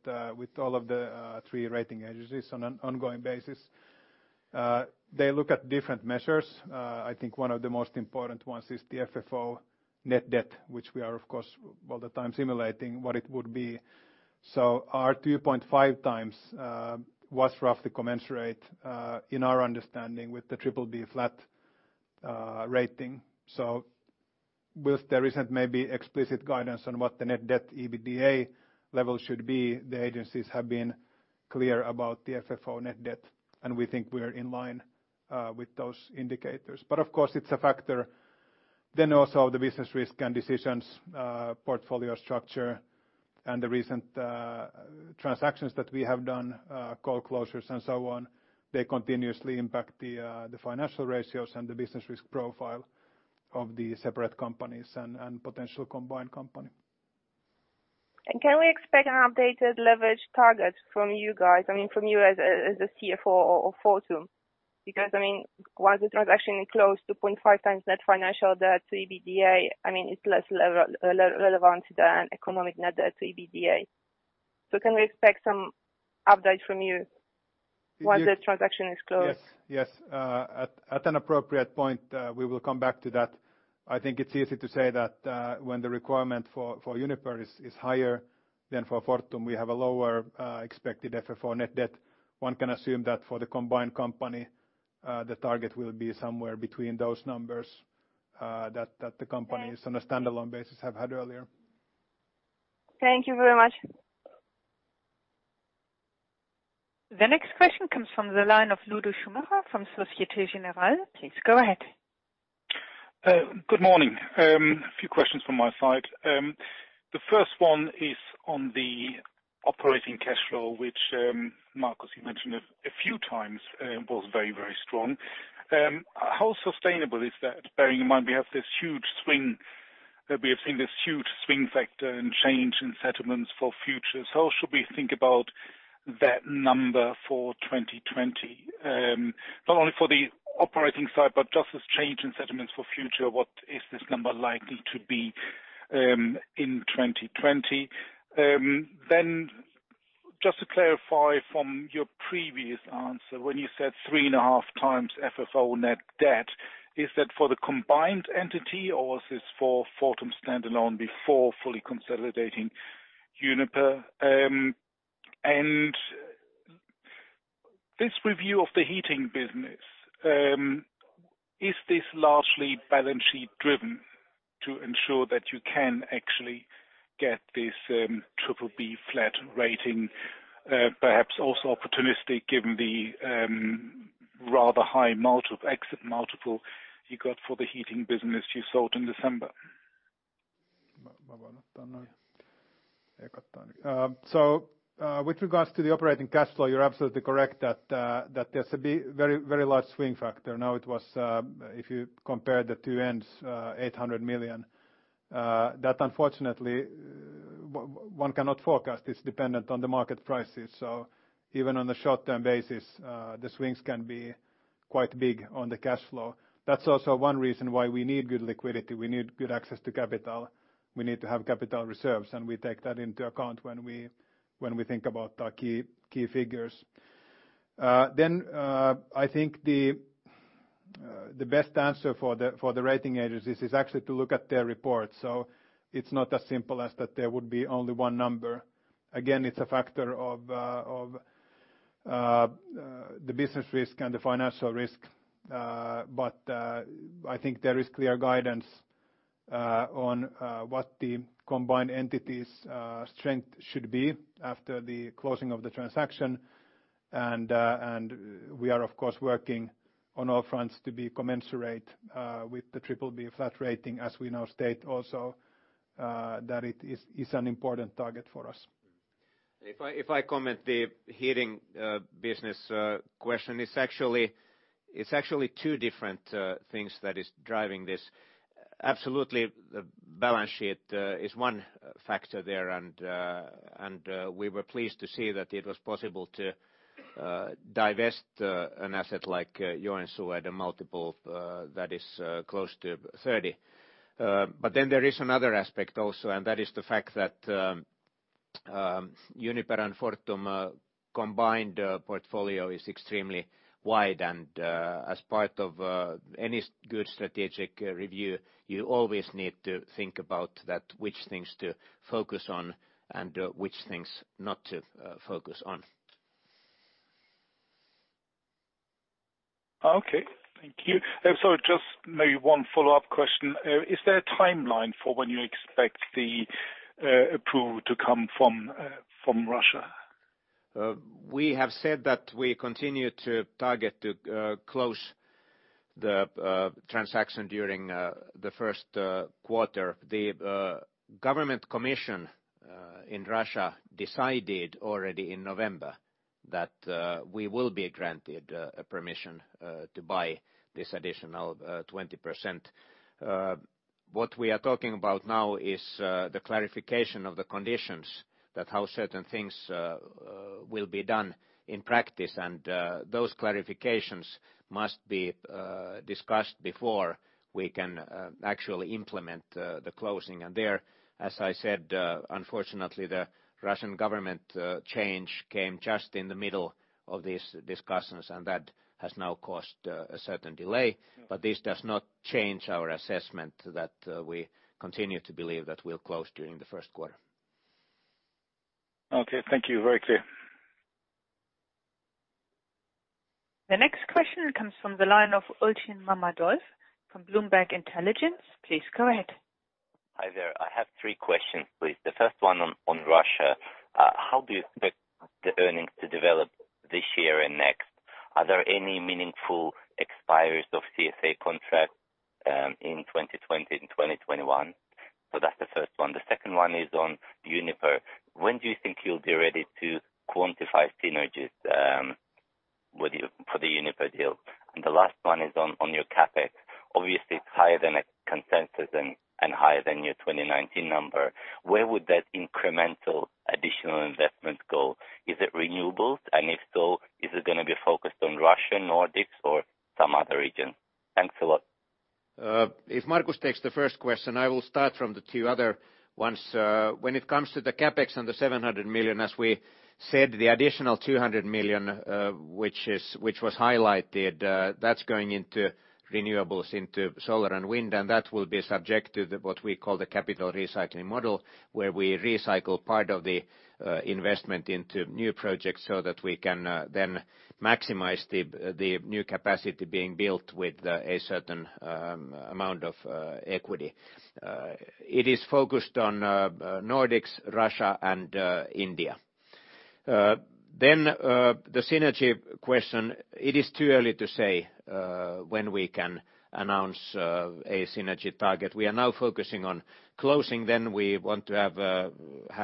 all of the three rating agencies on an ongoing basis. They look at different measures. I think one of the most important ones is the FFO net debt, which we are of course all the time simulating what it would be. Our 2.5x was roughly commensurate, in our understanding with the BBB flat rating. Whilst there isn't maybe explicit guidance on what the net debt EBITDA level should be, the agencies have been clear about the FFO net debt, and we think we are in line with those indicators. Of course, it's a factor then also of the business risk and decisions, portfolio structure and the recent transactions that we have done, coal closures and so on. They continuously impact the financial ratios and the business risk profile of the separate companies and potential combined company. Can we expect an updated leverage target from you guys? From you as the CFO of Fortum. Once the transaction is closed 2.5x net financial debt to EBITDA, it's less relevant than economic net debt to EBITDA. Can we expect some update from you? Once the transaction is closed. Yes. At an appropriate point, we will come back to that. I think it's easy to say that when the requirement for Uniper is higher than for Fortum, we have a lower expected FFO net debt. One can assume that for the combined company, the target will be somewhere between those numbers that the companies on a standalone basis have had earlier. Thank you very much. The next question comes from the line of Lueder Schumacher from Société Générale. Please go ahead. Good morning. A few questions from my side. The first one is on the operating cash flow, which, Markus, you mentioned a few times was very strong. How sustainable is that, bearing in mind we have this huge swing factor and change in settlements for future? How should we think about that number for 2020? Not only for the operating side, but just this change in settlements for future. What is this number likely to be in 2020? Just to clarify from your previous answer, when you said 3.5x FFO net debt, is that for the combined entity or is this for Fortum standalone before fully consolidating Uniper? This review of the heating business, is this largely balance sheet-driven to ensure that you can actually get this BBB flat rating? Perhaps also opportunistic given the rather high exit multiple you got for the heating business you sold in December. With regards to the operating cash flow, you're absolutely correct that there's a very large swing factor. It was, if you compare the two ends, 800 million, that unfortunately one cannot forecast. It's dependent on the market prices. Even on the short-term basis the swings can be quite big on the cash flow. That's also one reason why we need good liquidity. We need good access to capital. We need to have capital reserves, and we take that into account when we think about our key figures. I think the best answer for the rating agencies is actually to look at their reports. It's not as simple as that there would be only one number. Again, it's a factor of the business risk and the financial risk. I think there is clear guidance on what the combined entity's strength should be after the closing of the transaction. We are of course working on all fronts to be commensurate with the BBB flat rating as we now state also that it is an important target for us. If I comment the heating business question, it's actually two different things that is driving this. Absolutely, the balance sheet is one factor there, and we were pleased to see that it was possible to divest an asset like Joensuu at a multiple that is close to 30. There is another aspect also, and that is the fact that Uniper and Fortum combined portfolio is extremely wide, and as part of any good strategic review, you always need to think about that which things to focus on and which things not to focus on. Okay. Thank you. Just maybe one follow-up question. Is there a timeline for when you expect the approval to come from Russia? We have said that we continue to target to close the transaction during the first quarter. The Government Commission in Russia decided already in November that we will be granted a permission to buy this additional 20%. What we are talking about now is the clarification of the conditions that how certain things will be done in practice, and those clarifications must be discussed before we can actually implement the closing. There, as I said, unfortunately the Russian government change came just in the middle of these discussions, and that has now caused a certain delay. This does not change our assessment that we continue to believe that we'll close during the first quarter. Okay. Thank you. Very clear. The next question comes from the line of Elchin Mammadov from Bloomberg Intelligence. Please go ahead. Hi there. I have three questions, please. First one on Russia. How do you expect the earnings to develop this year and next? Are there any meaningful expires of CSA contracts in 2020 and 2021? That's the first one. Second one is on Uniper. When do you think you'll be ready to quantify synergies for the Uniper deal? Last one is on your CapEx. Obviously, it's higher than consensus and higher than your 2019 number. Where would that incremental additional investment go? Is it renewables? If so, is it going to be focused on Russia, Nordics or some other region? Thanks a lot. If Markus takes the first question, I will start from the two other ones. When it comes to the CapEx and the 700 million, as we said, the additional 200 million which was highlighted, that's going into renewables, into solar and wind. That will be subject to what we call the capital recycling model, where we recycle part of the investment into new projects so that we can then maximize the new capacity being built with a certain amount of equity. It is focused on Nordics, Russia, and India. The synergy question. It is too early to say when we can announce a synergy target. We are now focusing on closing. We want to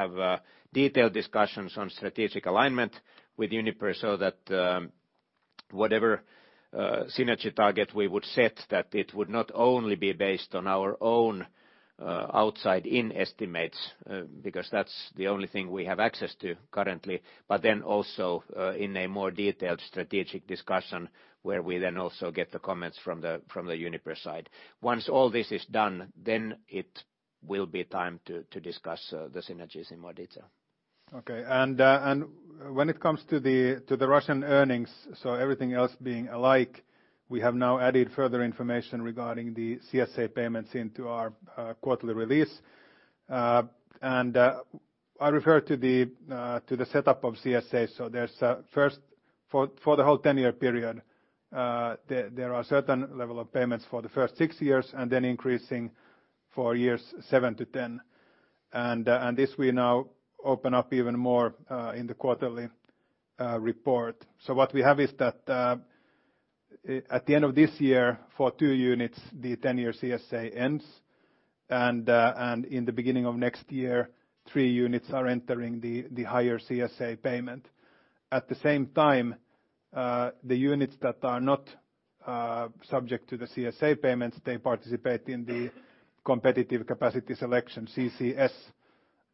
have detailed discussions on strategic alignment with Uniper so that whatever synergy target we would set, that it would not only be based on our own outside-in estimates, because that's the only thing we have access to currently. Also in a more detailed strategic discussion, where we then also get the comments from the Uniper side. Once all this is done, it will be time to discuss the synergies in more detail. Okay. When it comes to the Russian earnings, everything else being alike, we have now added further information regarding the CSA payments into our quarterly release. I refer to the setup of CSA. There's first, for the whole 10-year period, there are certain level of payments for the first six years, and then increasing for years 7-10. This will now open up even more in the quarterly report. What we have is that at the end of this year, for two units, the 10-year CSA ends. In the beginning of next year, three units are entering the higher CSA payment. At the same time, the units that are not subject to the CSA payments, they participate in the competitive capacity selection, CCS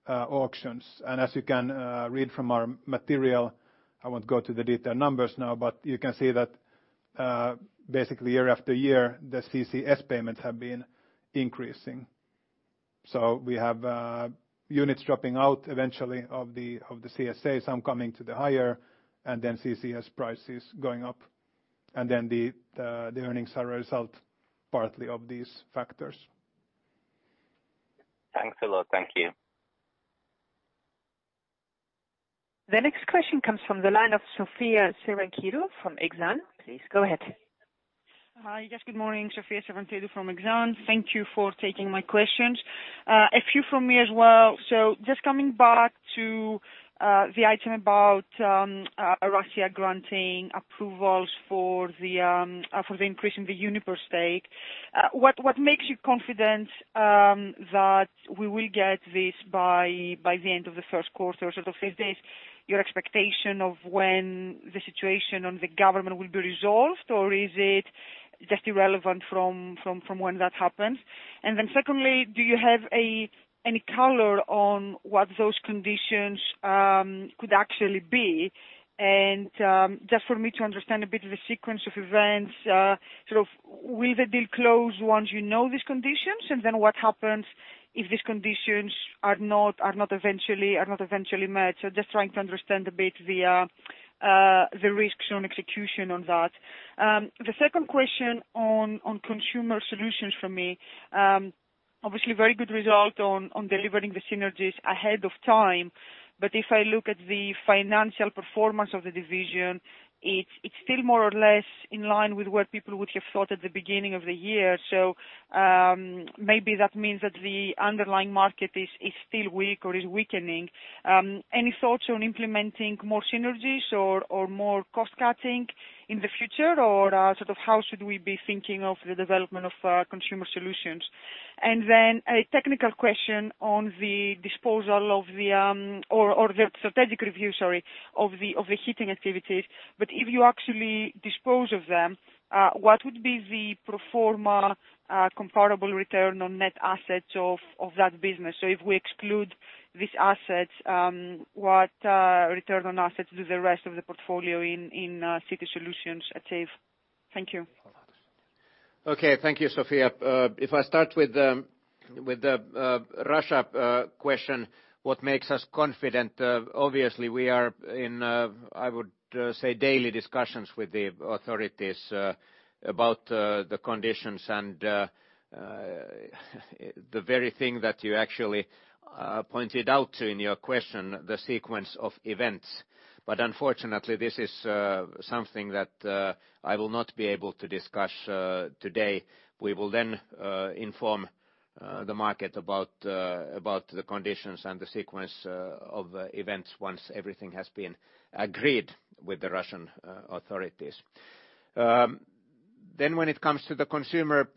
auctions. As you can read from our material, I won't go to the detailed numbers now. You can see that basically year-after-year, the CCS payments have been increasing. We have units dropping out eventually of the CSA, some coming to the higher, and then CCS prices going up. Then the earnings are a result partly of these factors. Thanks a lot. Thank you. The next question comes from the line of Sofia Savvantidou from Exane. Please go ahead. Hi, yes, good morning. Sofia Savvantidou from Exane. Thank you for taking my questions. A few from me as well. Just coming back to the item about Russia granting approvals for the increase in the Uniper stake. What makes you confident that we will get this by the end of the first quarter? Sort of say, is this your expectation of when the situation on the government will be resolved, or is it just irrelevant from when that happens? Secondly, do you have any color on what those conditions could actually be? Just for me to understand a bit of the sequence of events, sort of will the deal close once you know these conditions? What happens if these conditions are not eventually met? Just trying to understand a bit the risks on execution on that. The second question on Consumer Solutions from me. Obviously, very good result on delivering the synergies ahead of time. If I look at the financial performance of the division, it's still more or less in line with what people would have thought at the beginning of the year. Maybe that means that the underlying market is still weak or is weakening. Any thoughts on implementing more synergies or more cost-cutting in the future, or sort of how should we be thinking of the development of Consumer Solutions? A technical question on the strategic review of the heating activities. If you actually dispose of them, what would be the pro forma comparable return on net assets of that business? If we exclude these assets, what return on assets do the rest of the portfolio in City Solution's achieve? Thank you. Okay. Thank you, Sofia. If I start with the Russia question, what makes us confident? Obviously, we are in, I would say, daily discussions with the authorities about the conditions and the very thing that you actually pointed out in your question, the sequence of events. Unfortunately, this is something that I will not be able to discuss today. We will inform the market about the conditions and the sequence of events once everything has been agreed with the Russian authorities. When it comes to the Consumer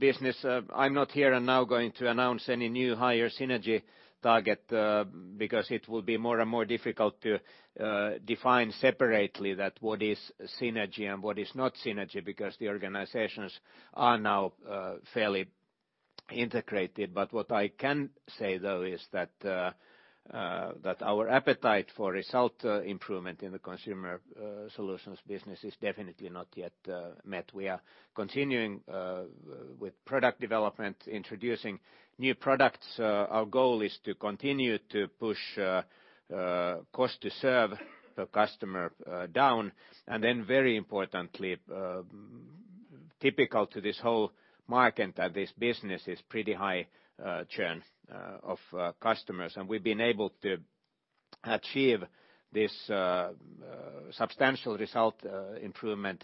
Solutions, I'm not here and now going to announce any new higher synergy target because it will be more and more difficult to define separately that what is synergy and what is not synergy, because the organizations are now fairly integrated. What I can say though is that our appetite for result improvement in the Consumer Solutions business is definitely not yet met. We are continuing with product development, introducing new products. Our goal is to continue to push cost to serve the customer down, then very importantly, typical to this whole market that this business is pretty high churn of customers. We've been able to achieve this substantial result improvement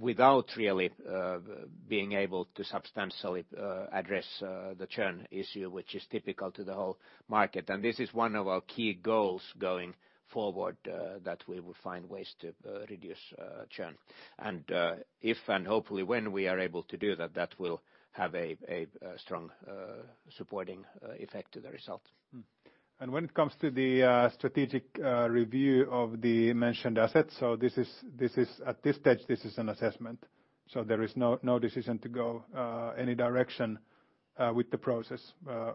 without really being able to substantially address the churn issue, which is typical to the whole market. This is one of our key goals going forward, that we will find ways to reduce churn. If and hopefully when we are able to do that will have a strong supporting effect to the result. When it comes to the strategic review of the mentioned assets, at this stage, this is an assessment. There is no decision to go any direction with the process.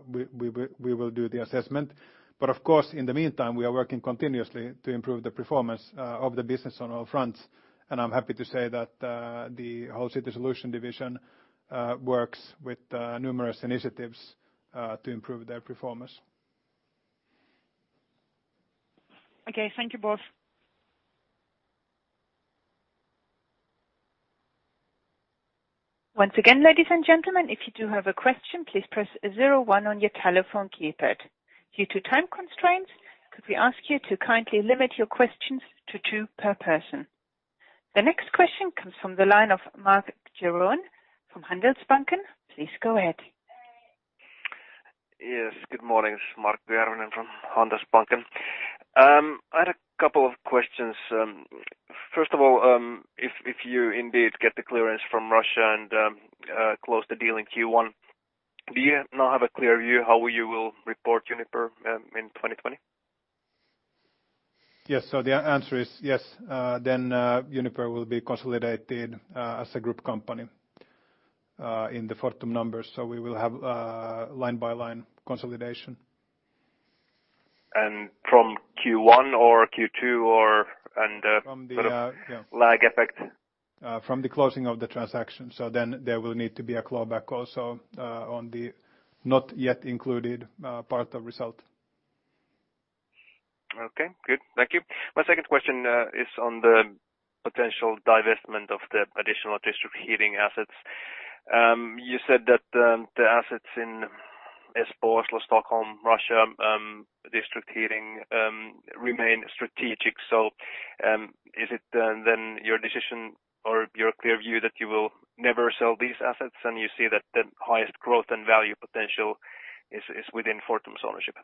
We will do the assessment. Of course, in the meantime, we are working continuously to improve the performance of the business on all fronts. I am happy to say that the whole Consumer Solutions division works with numerous initiatives to improve their performance. Okay. Thank you both. Once again, ladies and gentlemen, if you do have a question, please press zero one on your telephone keypad. Due to time constraints, could we ask you to kindly limit your questions to two per person? The next question comes from the line of Markku Järvinen from Handelsbanken. Please go ahead. Yes, good morning. It's Markku Järvinen from Handelsbanken. I had a couple of questions. First of all, if you indeed get the clearance from Russia and close the deal in Q1, do you now have a clear view how you will report Uniper in 2020? Yes. The answer is yes. Uniper will be consolidated as a group company in the Fortum numbers. We will have line-by-line consolidation. from Q1 or Q2 or. Yeah. lag effect. From the closing of the transaction. There will need to be a clawback also on the not yet included part of result. Okay, good. Thank you. My second question is on the potential divestment of the additional district heating assets. You said that the assets in Espoo, Oslo, Stockholm, Russia, district heating remain strategic. Is it then your decision or your clear view that you will never sell these assets and you see that the highest growth and value potential is within Fortum's ownership?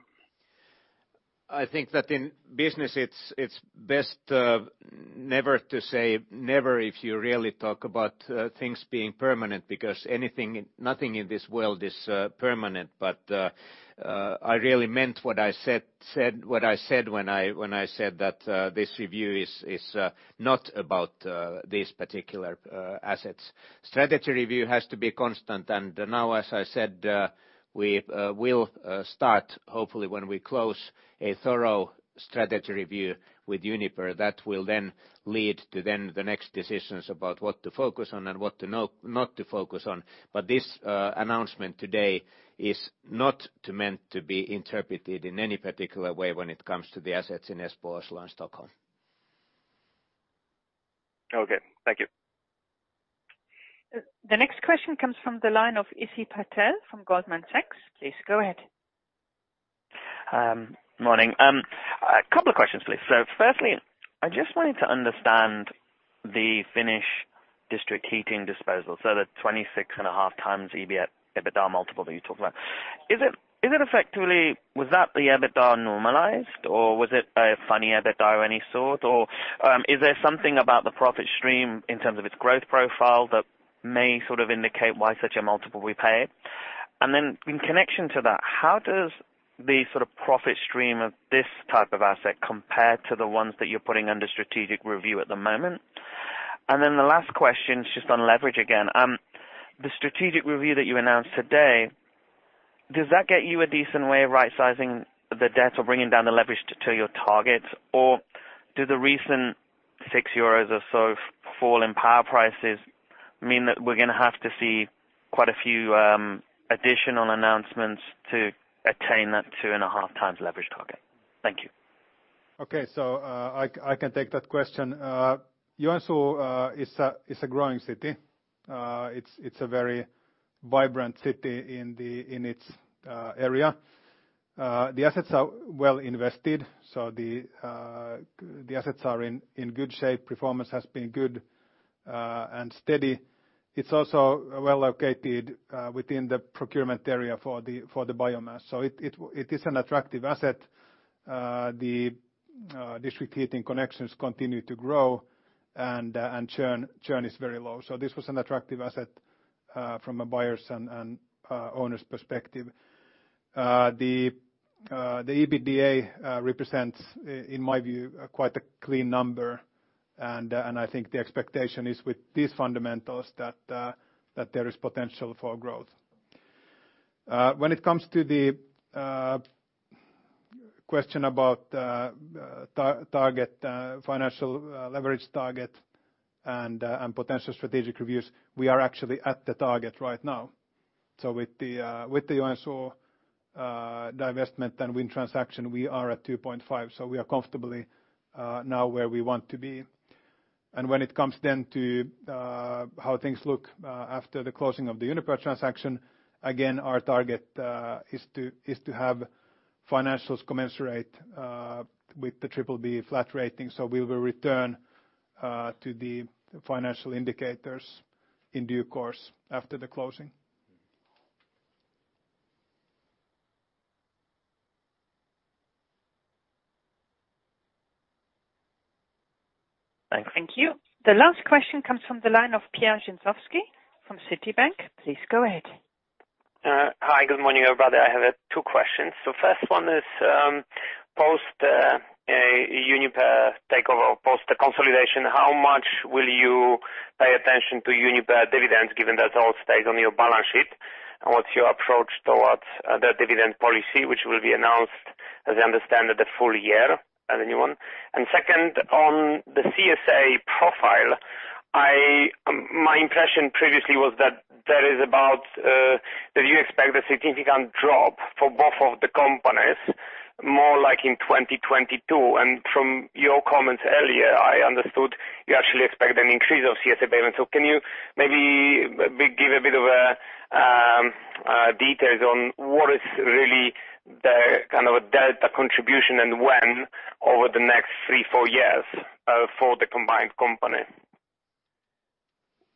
I think that in business, it's best never to say never if you really talk about things being permanent because nothing in this world is permanent. I really meant what I said when I said that this review is not about these particular assets. Strategy review has to be constant. Now, as I said, we will start, hopefully when we close a thorough strategy review with Uniper that will then lead to the next decisions about what to focus on and what not to focus on. This announcement today is not meant to be interpreted in any particular way when it comes to the assets in Espoo, Oslo, and Stockholm. Okay. Thank you. The next question comes from the line of Ajay Patel from Goldman Sachs. Please go ahead. Morning. A couple of questions, please. Firstly, I just wanted to understand the Finnish district heating disposal. The 26.5x EBITDA multiple that you talked about. Was that the EBITDA normalized or was it a funny EBITDA of any sort? Is there something about the profit stream in terms of its growth profile that may sort of indicate why such a multiple we paid? In connection to that, how does the sort of profit stream of this type of asset compare to the ones that you're putting under strategic review at the moment? The last question is just on leverage again. The strategic review that you announced today, does that get you a decent way of rightsizing the debt or bringing down the leverage to your targets? Do the recent 6 euros or so fall in power prices mean that we're going to have to see quite a few additional announcements to attain that 2.5x leverage target? Thank you. Okay. I can take that question. Joensuu is a growing city. It's a very vibrant city in its area. The assets are well invested, so the assets are in good shape. Performance has been good and steady. It's also well located within the procurement area for the biomass. It is an attractive asset. The district heating connections continue to grow and churn is very low. This was an attractive asset from a buyer's and owner's perspective. The EBITDA represents, in my view, quite a clean number, and I think the expectation is with these fundamentals that there is potential for growth. When it comes to the question about financial leverage target and potential strategic reviews, we are actually at the target right now. With the Joensuu divestment and wind transaction, we are at 2.5. We are comfortably now where we want to be. When it comes then to how things look after the closing of the Uniper transaction, again, our target is to have financials commensurate with the BBB flat rating. We will return to the financial indicators in due course after the closing. Thanks. Thank you. The last question comes from the line of Piotr Dzieciolowski from Citibank. Please go ahead. Hi, good morning, everybody. I have two questions. First one is, post Uniper takeover, post consolidation, how much will you pay attention to Uniper dividends given that it all stays on your balance sheet? What's your approach towards the dividend policy, which will be announced, as I understand it, the full year, as a new one? Second, on the CSA profile, my impression previously was that you expect a significant drop for both of the companies more like in 2022. From your comments earlier, I understood you actually expect an increase of CSA payment. Can you maybe give a bit of details on what is really the delta contribution and when over the next three, four years for the combined company?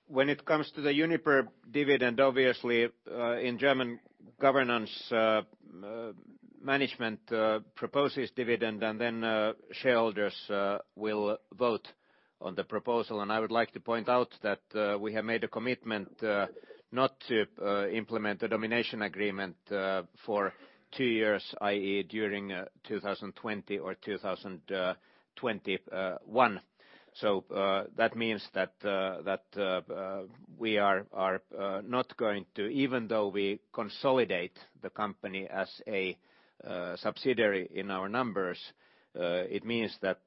When it comes to the Uniper dividend, obviously, in German governance, management proposes dividend, and then shareholders will vote on the proposal. I would like to point out that we have made a commitment not to implement a domination agreement for two years, i.e., during 2020 or 2021. That means that we are not going to, even though we consolidate the company as a subsidiary in our numbers, it means that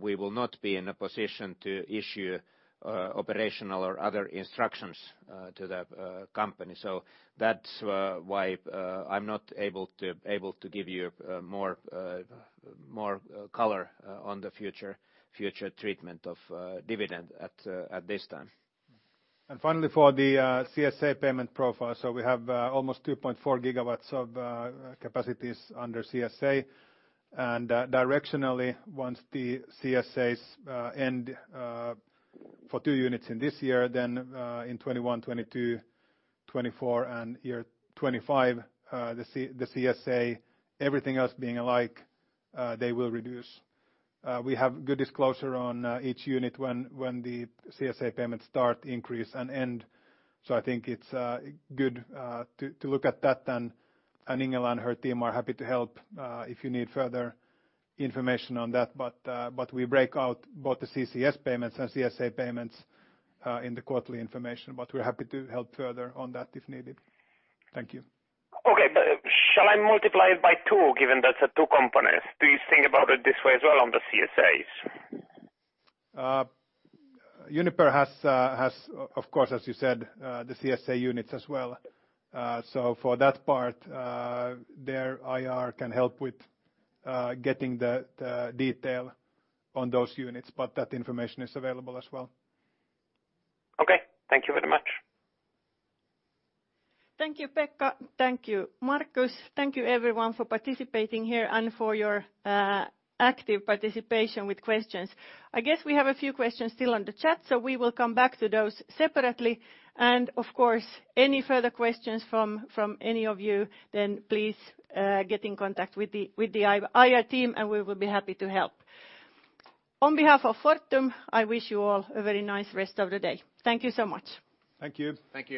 we will not be in a position to issue operational or other instructions to the company. That's why I'm not able to give you more color on the future treatment of dividend at this time. Finally, for the CSA payment profile. We have almost 2.4 GW of capacities under CSA. Directionally, once the CSAs end for two units in this year, then in 2021, 2022, 2024, and 2025 the CSA, everything else being alike they will reduce. We have good disclosure on each unit when the CSA payments start, increase, and end. I think it's good to look at that, and Ingela and her team are happy to help if you need further information on that. We break out both the CCS payments and CSA payments in the quarterly information. We're happy to help further on that if needed. Thank you. Okay. Shall I multiply it by two, given that's two companies? Do you think about it this way as well on the CSAs? Uniper has of course, as you said, the CSA units as well. For that part their IR can help with getting the detail on those units. That information is available as well. Okay. Thank you very much. Thank you, Pekka. Thank you, Markus. Thank you, everyone, for participating here and for your active participation with questions. I guess we have a few questions still on the chat. We will come back to those separately. Of course, any further questions from any of you, please get in contact with the IR team, and we will be happy to help. On behalf of Fortum, I wish you all a very nice rest of the day. Thank you so much. Thank you. Thank you.